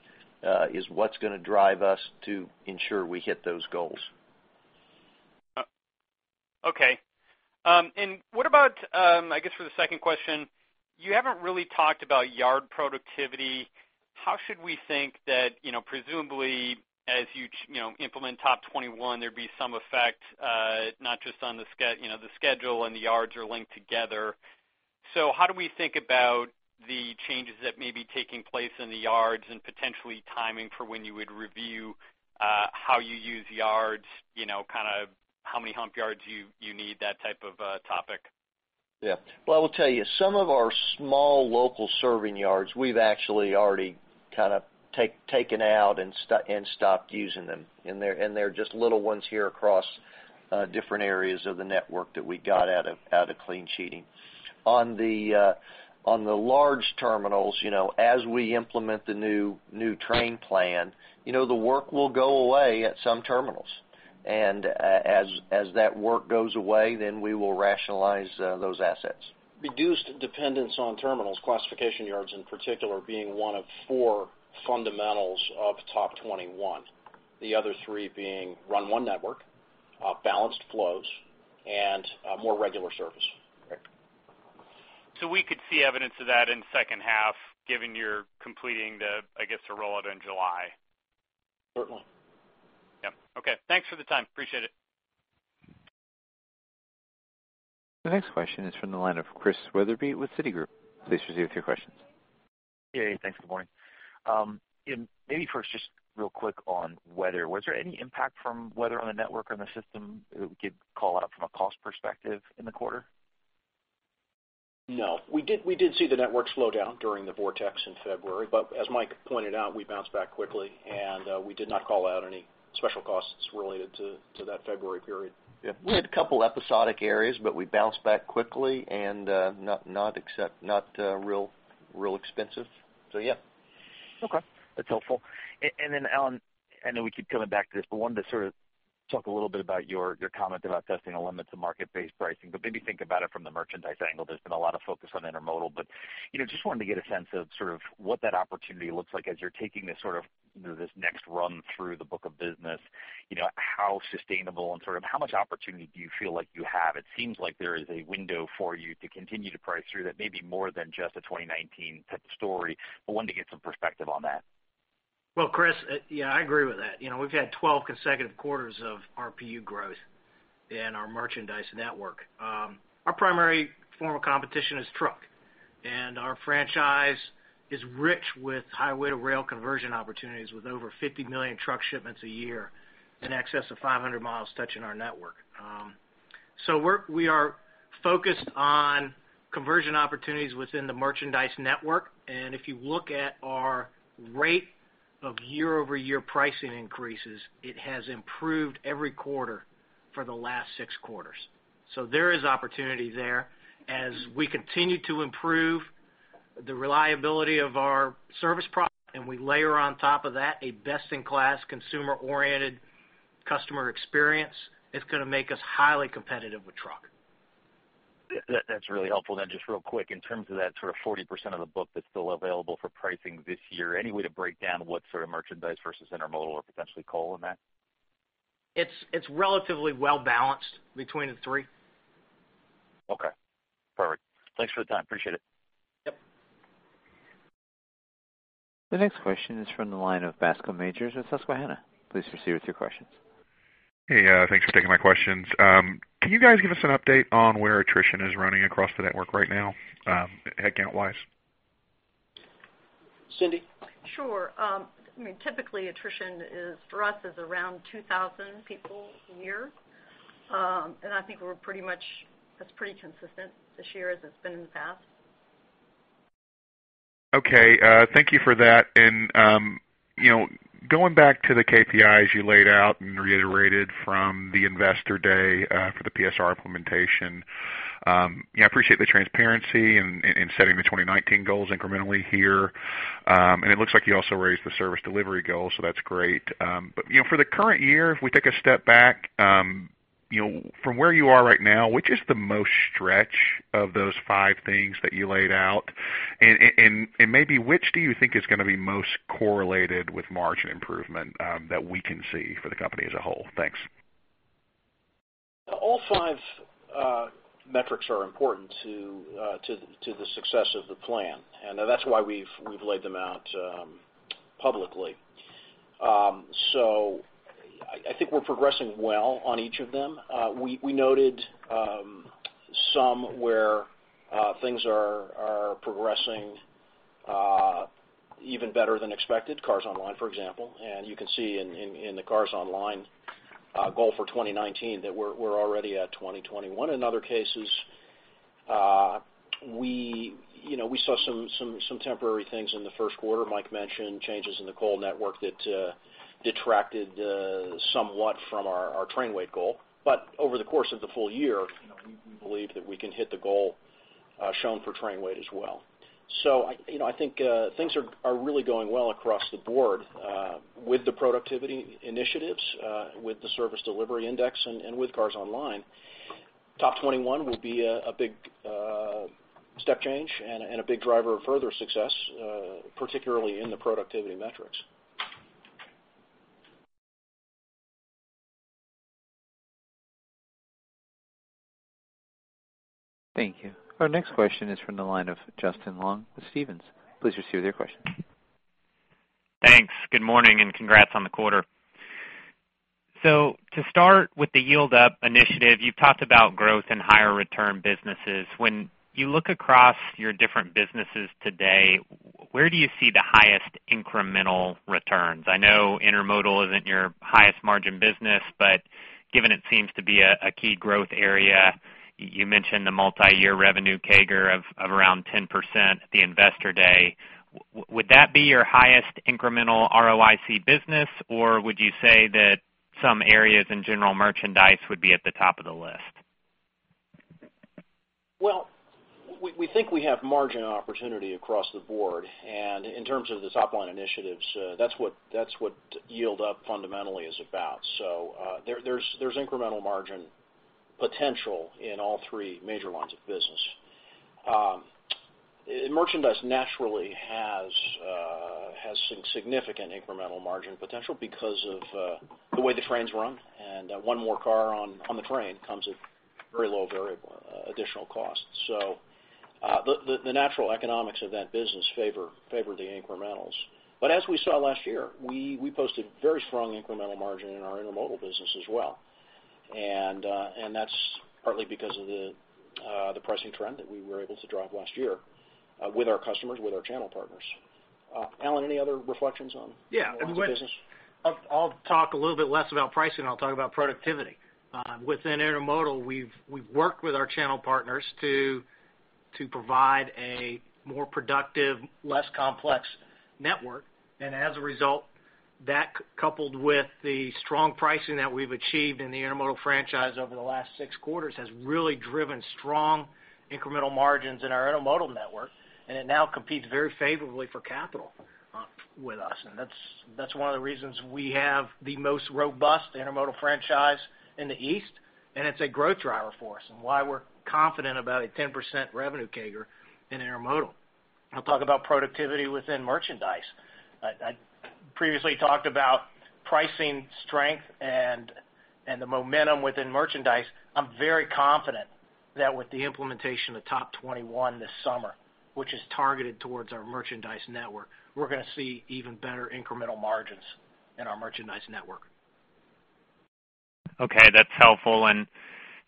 is what's going to drive us to ensure we hit those goals. What about, I guess, for the second question, you haven't really talked about yard productivity. How should we think that, presumably, as you implement TOP 21, there'd be some effect, not just on the schedule and the yards are linked together. How do we think about the changes that may be taking place in the yards and potentially timing for when you would review, how you use yards, how many hump yards you need, that type of topic? Yeah. Well, I will tell you, some of our small local serving yards, we've actually already kind of taken out and stopped using them. They're just little ones here across different areas of the network that we got out of clean sheeting. On the large terminals, as we implement the new train plan, the work will go away at some terminals. As that work goes away, we will rationalize those assets. Reduced dependence on terminals, classification yards in particular, being one of four fundamentals of TOP 21. The other three being run one network, balanced flows, and more regular service. Great. We could see evidence of that in second half, given you're completing the, I guess, the rollout in July. Certainly. Yep. Okay. Thanks for the time. Appreciate it. The next question is from the line of Chris Wetherbee with Citigroup. Please proceed with your questions. Hey. Thanks, good morning. Maybe first, just real quick on weather. Was there any impact from weather on the network or the system that we could call out from a cost perspective in the quarter? No. We did see the network slow down during the vortex in February. As Mike pointed out, we bounced back quickly, and we did not call out any special costs related to that February period. We had a couple episodic areas, but we bounced back quickly and not real expensive. That's helpful. Alan, I know we keep coming back to this, but wanted to sort of talk a little bit about your comment about testing the limits of market-based pricing, but maybe think about it from the merchandise angle. There's been a lot of focus on intermodal, but just wanted to get a sense of sort of what that opportunity looks like as you're taking this next run through the book of business. How sustainable and sort of how much opportunity do you feel like you have? It seems like there is a window for you to continue to price through that may be more than just a 2019 type of story, but wanted to get some perspective on that. Chris, I agree with that. We've had 12 consecutive quarters of RPU growth in our merchandise network. Our primary form of competition is truck, and our franchise is rich with highway to rail conversion opportunities with over 50 million truck shipments a year in excess of 500 miles touching our network. We are focused on conversion opportunities within the merchandise network, and if you look at our rate of year-over-year pricing increases, it has improved every quarter for the last six quarters. There is opportunity there. As we continue to improve the reliability of our service product, and we layer on top of that a best-in-class consumer-oriented customer experience, it's going to make us highly competitive with truck. That's really helpful. Just real quick, in terms of that sort of 40% of the book that's still available for pricing this year, any way to break down what sort of merchandise versus intermodal or potentially coal in that? It's relatively well-balanced between the three. Okay. Perfect. Thanks for the time. Appreciate it. Yep. The next question is from the line of Bascome Majors with Susquehanna. Please proceed with your questions. Hey, thanks for taking my questions. Can you guys give us an update on where attrition is running across the network right now, headcount-wise? Cindy? Sure. Typically attrition for us is around 2,000 people a year. I think that's pretty consistent this year as it's been in the past. Okay, thank you for that. Going back to the KPIs you laid out and reiterated from the Investor Day for the PSR implementation, I appreciate the transparency in setting the 2019 goals incrementally here. It looks like you also raised the service delivery goal, so that's great. For the current year, if we take a step back, from where you are right now, which is the most stretch of those five things that you laid out? Maybe, which do you think is going to be most correlated with margin improvement that we can see for the company as a whole? Thanks. All five metrics are important to the success of the plan, and that's why we've laid them out publicly. I think we're progressing well on each of them. We noted some where things are progressing even better than expected, Cars Online, for example. You can see in the Cars Online goal for 2019 that we're already at 2021. In other cases, we saw some temporary things in the first quarter. Mike mentioned changes in the coal network that detracted somewhat from our train weight goal. Over the course of the full year, we believe that we can hit the goal shown for train weight as well. I think things are really going well across the board with the productivity initiatives, with the Service Delivery Index, and with Cars Online. TOP 21 will be a big step change and a big driver of further success, particularly in the productivity metrics Thank you. Our next question is from the line of Justin Long with Stephens. Please proceed with your question. Thanks. Good morning, and congrats on the quarter. To start with the yield-up strategy initiative, you've talked about growth in higher return businesses. When you look across your different businesses today, where do you see the highest incremental returns? I know intermodal isn't your highest margin business, but given it seems to be a key growth area, you mentioned the multi-year revenue CAGR of around 10% at the Investor Day. Would that be your highest incremental ROIC business, or would you say that some areas in general merchandise would be at the top of the list? Well, we think we have margin opportunity across the board, in terms of the top-line initiatives, that's what yield-up strategy fundamentally is about. There's incremental margin potential in all three major lines of business. Merchandise naturally has some significant incremental margin potential because of the way the trains run, one more car on the train comes at very low variable additional cost. The natural economics of that business favor the incrementals. As we saw last year, we posted very strong incremental margin in our intermodal business as well. That's partly because of the pricing trend that we were able to drive last year with our customers, with our channel partners. Alan, any other reflections. Yeah the business? I'll talk a little bit less about pricing, I'll talk about productivity. Within intermodal, we've worked with our channel partners to provide a more productive, less complex network. As a result, that coupled with the strong pricing that we've achieved in the intermodal franchise over the last six quarters, has really driven strong incremental margins in our intermodal network, and it now competes very favorably for capital with us. That's one of the reasons we have the most robust intermodal franchise in the East, and it's a growth driver for us and why we're confident about a 10% revenue CAGR in intermodal. I'll talk about productivity within merchandise. I previously talked about pricing strength and the momentum within merchandise. I'm very confident that with the implementation of TOP 21 this summer, which is targeted towards our merchandise network, we're going to see even better incremental margins in our merchandise network. Okay, that's helpful.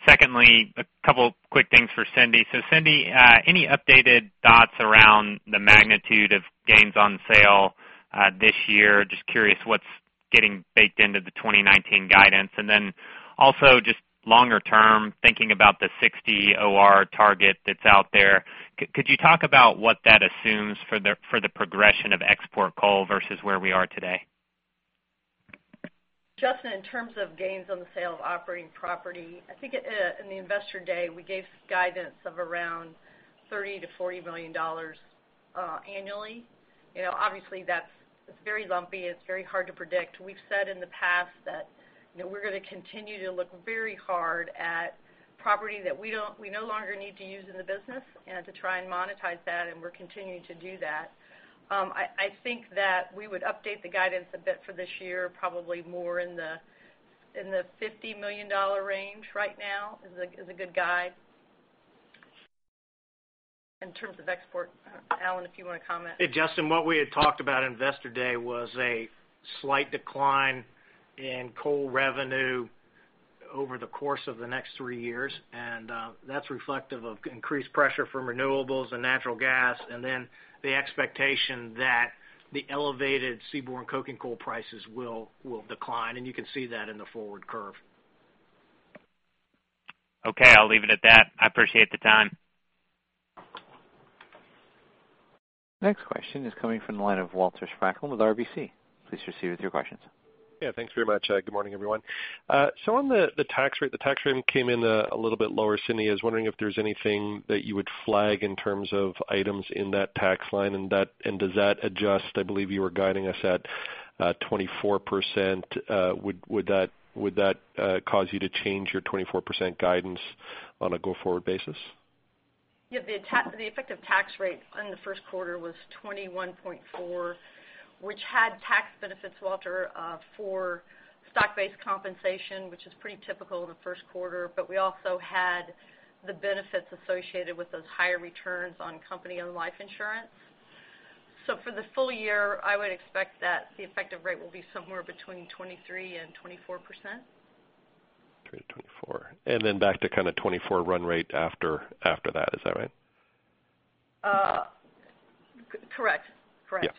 Secondly, a couple quick things for Cindy. Cindy, any updated thoughts around the magnitude of gains on sale this year? Just curious what's getting baked into the 2019 guidance. Also just longer term, thinking about the 60 OR target that's out there, could you talk about what that assumes for the progression of export coal versus where we are today? Justin, in terms of gains on the sale of operating property, I think in the Investor Day, we gave guidance of around $30 million-$40 million annually. Obviously, that's very lumpy. It's very hard to predict. We've said in the past that we're going to continue to look very hard at property that we no longer need to use in the business and to try and monetize that. We're continuing to do that. I think that we would update the guidance a bit for this year, probably more in the $50 million range right now is a good guide. In terms of export, Alan, if you want to comment. Hey, Justin, what we had talked about at Investor Day was a slight decline in coal revenue over the course of the next three years, and that's reflective of increased pressure from renewables and natural gas, and then the expectation that the elevated seaborne coke and coal prices will decline, and you can see that in the forward curve. Okay, I'll leave it at that. I appreciate the time. Next question is coming from the line of Walter Spracklin with RBC. Please proceed with your questions. Yeah, thanks very much. Good morning, everyone. On the tax rate, the tax rate came in a little bit lower, Cindy. I was wondering if there's anything that you would flag in terms of items in that tax line, and does that adjust, I believe you were guiding us at 24%. Would that cause you to change your 24% guidance on a go-forward basis? Yeah, the effective tax rate on the first quarter was 21.4%, which had tax benefits, Walter, for stock-based compensation, which is pretty typical in the first quarter, but we also had the benefits associated with those higher returns on corporate-owned life insurance. For the full year, I would expect that the effective rate will be somewhere between 23% and 24%. Between 23% and 24%. Then back to kind of 24% run rate after that, is that right? Correct. Yeah.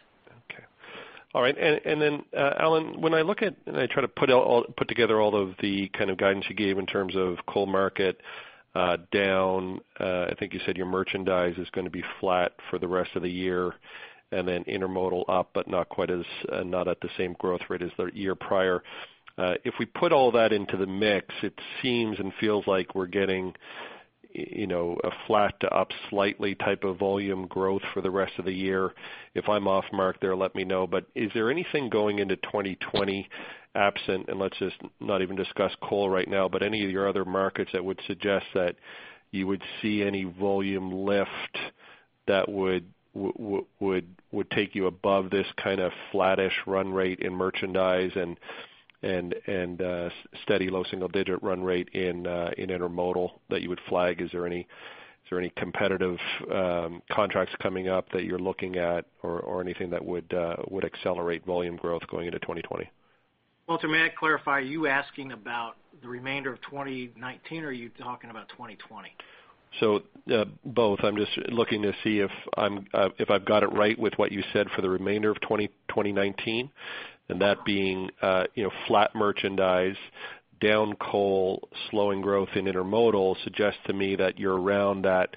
Okay. All right. Then, Alan, when I look at, and I try to put together all of the kind of guidance you gave in terms of coal market down, I think you said your merchandise is going to be flat for the rest of the year, intermodal up, but not at the same growth rate as the year prior. If we put all that into the mix, it seems and feels like we're getting a flat to up slightly type of volume growth for the rest of the year. If I'm off mark there, let me know. Is there anything going into 2020, absent, and let's just not even discuss coal right now, but any of your other markets that would suggest that you would see any volume lift that would take you above this kind of flattish run rate in merchandise and steady low single-digit run rate in intermodal that you would flag. Is there any competitive contracts coming up that you're looking at or anything that would accelerate volume growth going into 2020? Walter, may I clarify, are you asking about the remainder of 2019 or are you talking about 2020? Both. I'm just looking to see if I've got it right with what you said for the remainder of 2019, and that being flat merchandise, down coal, slowing growth in intermodal, suggests to me that you're around that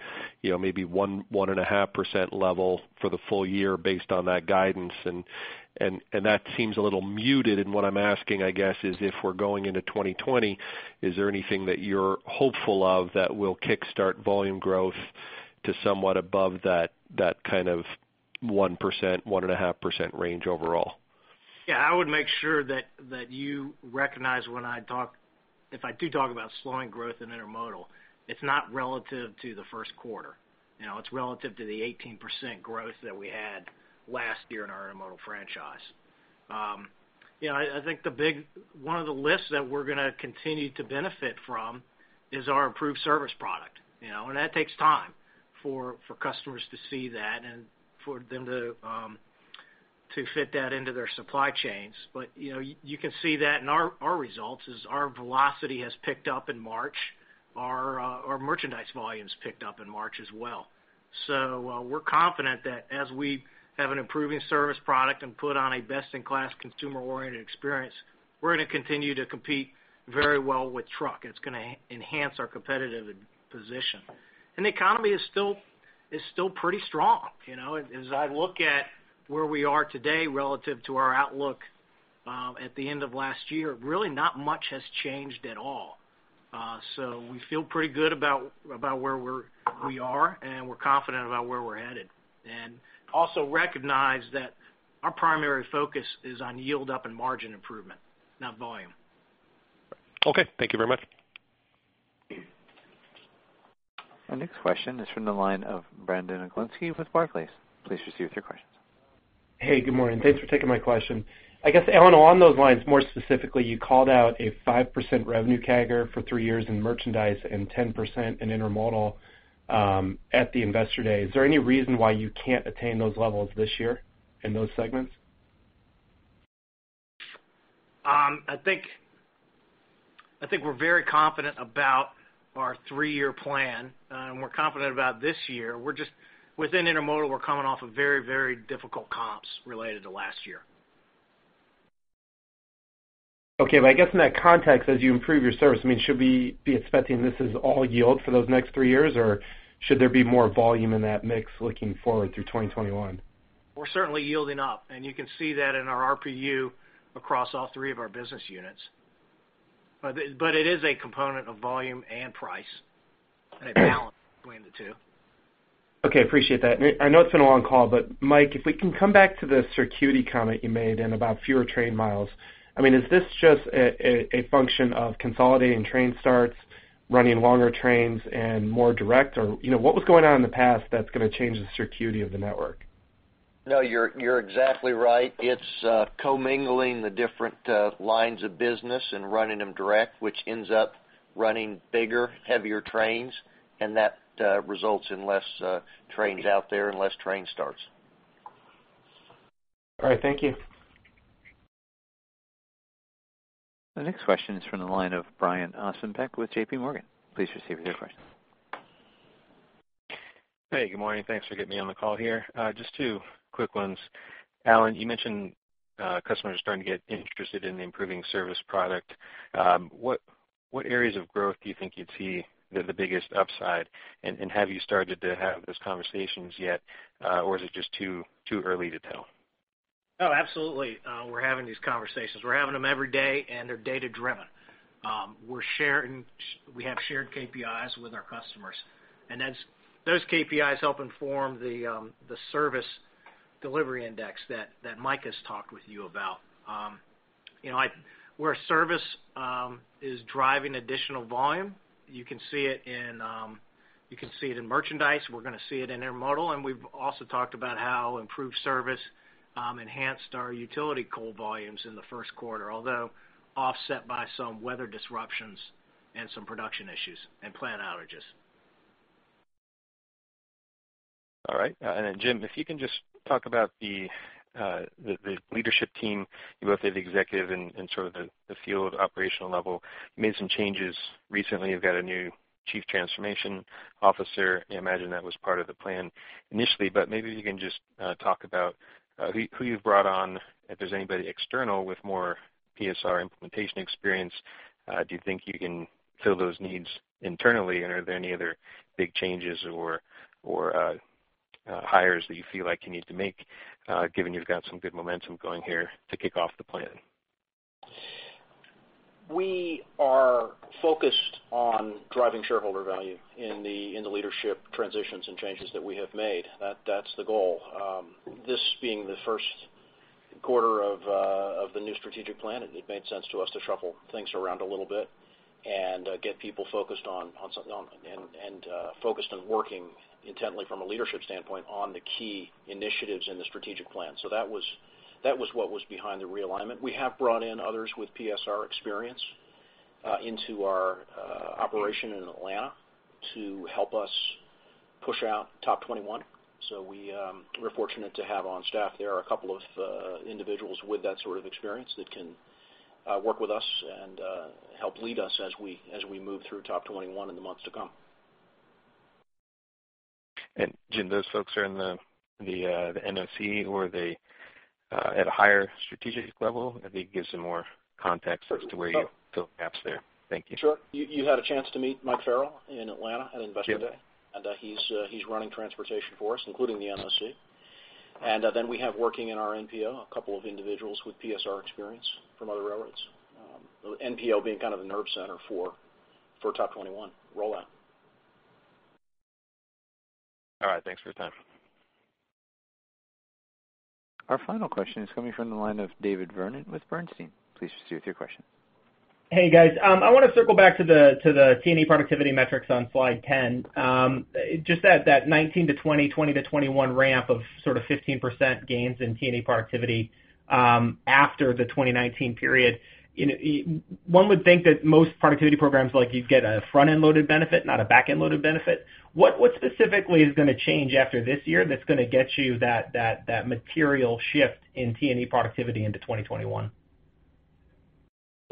maybe 1.5% level for the full year based on that guidance. That seems a little muted. What I'm asking, I guess, is if we're going into 2020, is there anything that you're hopeful of that will kickstart volume growth to somewhat above that kind of 1%-1.5% range overall? I would make sure that you recognize if I do talk about slowing growth in intermodal, it's not relative to the first quarter. It's relative to the 18% growth that we had last year in our intermodal franchise. I think one of the levers that we're going to continue to benefit from is our improved service product. That takes time for customers to see that and for them to fit that into their supply chains. You can see that in our results is our velocity has picked up in March. Our merchandise volumes picked up in March as well. We're confident that as we have an improving service product and put on a best in class consumer oriented experience, we're going to continue to compete very well with truck. It's going to enhance our competitive position. The economy is still pretty strong. As I look at where we are today relative to our outlook at the end of last year, really not much has changed at all. We feel pretty good about where we are, and we're confident about where we're headed. Also recognize that our primary focus is on yield up and margin improvement, not volume. Okay. Thank you very much. Our next question is from the line of Brandon Oglenski with Barclays. Please proceed with your question. Hey, good morning. Thanks for taking my question. I guess, Alan, along those lines, more specifically, you called out a 5% revenue CAGR for three years in merchandise and 10% in intermodal at the investor day. Is there any reason why you can't attain those levels this year in those segments? I think we're very confident about our three-year plan, and we're confident about this year. Within intermodal, we're coming off of very difficult comps related to last year. Okay. In that context, as you improve your service, should we be expecting this is all yield for those next 3 years, or should there be more volume in that mix looking forward through 2021? We're certainly yielding up, and you can see that in our RPU across all three of our business units. It is a component of volume and price and a balance between the two. Okay, appreciate that. I know it's been a long call, but Mike, if we can come back to the circuity comment you made and about fewer train miles. Is this just a function of consolidating train starts, running longer trains and more direct, or what was going on in the past that's going to change the circuity of the network? No, you're exactly right. It's co-mingling the different lines of business and running them direct, which ends up running bigger, heavier trains, and that results in less trains out there and less train starts. All right. Thank you. The next question is from the line of Brian Ossenbeck with J.P. Morgan. Please proceed with your question. Hey, good morning. Thanks for getting me on the call here. Just two quick ones. Alan, you mentioned customers are starting to get interested in the improving service product. What areas of growth do you think you'd see the biggest upside? Have you started to have those conversations yet, or is it just too early to tell? Absolutely. We're having these conversations. We're having them every day, and they're data driven. We have shared KPIs with our customers, and those KPIs help inform the Service Delivery Index that Mike has talked with you about. Where service is driving additional volume, you can see it in merchandise, we're going to see it in intermodal, and we've also talked about how improved service enhanced our utility coal volumes in the first quarter, although offset by some weather disruptions and some production issues and plant outages. Jim, if you can just talk about the leadership team, both at the executive and sort of the field operational level. You made some changes recently. You've got a new Chief Transformation Officer. I imagine that was part of the plan initially, but maybe you can just talk about who you've brought on, if there's anybody external with more PSR implementation experience. Do you think you can fill those needs internally? Are there any other big changes or hires that you feel like you need to make given you've got some good momentum going here to kick off the plan? We are focused on driving shareholder value in the leadership transitions and changes that we have made. That's the goal. This being the first. quarter of the new strategic plan, it made sense to us to shuffle things around a little bit and get people focused on working intently from a leadership standpoint on the key initiatives in the strategic plan. That was what was behind the realignment. We have brought in others with PSR experience into our operation in Atlanta to help us push out TOP 21. We're fortunate to have on staff there are a couple of individuals with that sort of experience that can work with us and help lead us as we move through TOP 21 in the months to come. Jim, those folks are in the NOC or are they at a higher strategic level? Maybe give some more context as to where you fill gaps there. Thank you. Sure. You had a chance to meet Michael Farrell in Atlanta at Investor Day. Yeah. He's running transportation for us, including the NOC. We have working in our NPO, a couple of individuals with PSR experience from other railroads. NPO being kind of the nerve center for TOP 21 rollout. All right. Thanks for your time. Our final question is coming from the line of David Vernon with Bernstein. Please proceed with your question. Hey, guys. I want to circle back to the T&E productivity metrics on slide 10. Just that 2019 to 2020 to 2021 ramp of sort of 15% gains in T&E productivity after the 2019 period. One would think that most productivity programs like these get a front-end loaded benefit, not a back-end loaded benefit. What specifically is going to change after this year that's going to get you that material shift in T&E productivity into 2021?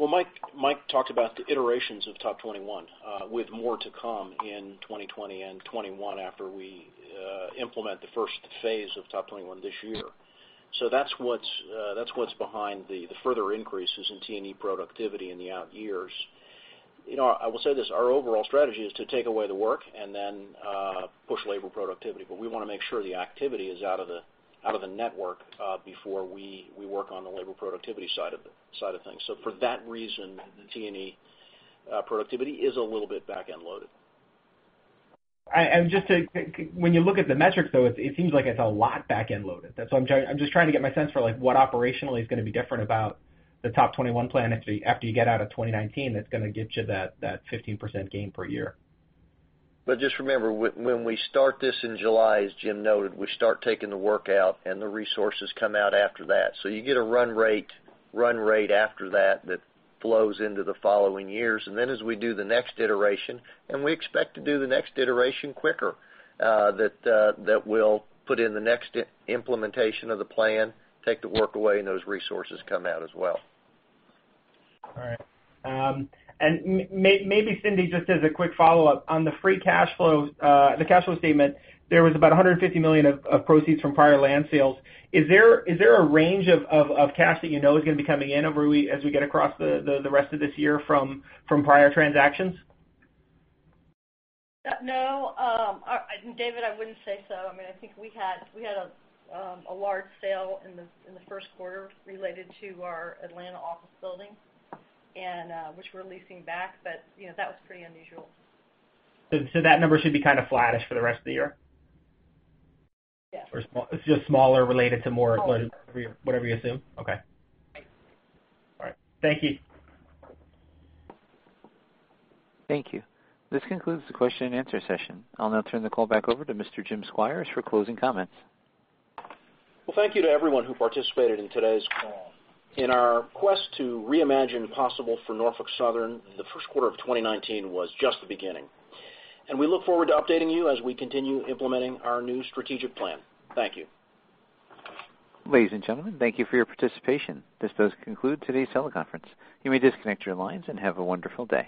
Mike talked about the iterations of TOP 21, with more to come in 2020 and 2021 after we implement the first phase of TOP 21 this year. That's what's behind the further increases in T&E productivity in the out years. I will say this, our overall strategy is to take away the work and then push labor productivity, we want to make sure the activity is out of the network before we work on the labor productivity side of things. For that reason, the T&E productivity is a little bit back-end loaded. When you look at the metrics, though, it seems like it's a lot back-end loaded. I'm just trying to get my sense for what operationally is going to be different about the TOP 21 plan after you get out of 2019, that's going to get you that 15% gain per year. Just remember, when we start this in July, as Jim noted, we start taking the work out and the resources come out after that. You get a run rate after that that flows into the following years. As we do the next iteration, and we expect to do the next iteration quicker, that we'll put in the next implementation of the plan, take the work away and those resources come out as well. Maybe Cindy Ehrhardt, just as a quick follow-up, on the cash flow statement, there was about $150 million of proceeds from prior land sales. Is there a range of cash that you know is going to be coming in as we get across the rest of this year from prior transactions? No. David, I wouldn't say so. I think we had a large sale in the first quarter related to our Atlanta office building, which we're leasing back, that was pretty unusual. That number should be kind of flattish for the rest of the year? Yeah. It's just smaller related to more. Smaller whatever you assume? Okay. Right. All right. Thank you. Thank you. This concludes the question and answer session. I'll now turn the call back over to Mr. Jim Squires for closing comments. Well, thank you to everyone who participated in today's call. In our quest to reimagine possible for Norfolk Southern, the first quarter of 2019 was just the beginning. We look forward to updating you as we continue implementing our new strategic plan. Thank you. Ladies and gentlemen, thank you for your participation. This does conclude today's teleconference. You may disconnect your lines and have a wonderful day.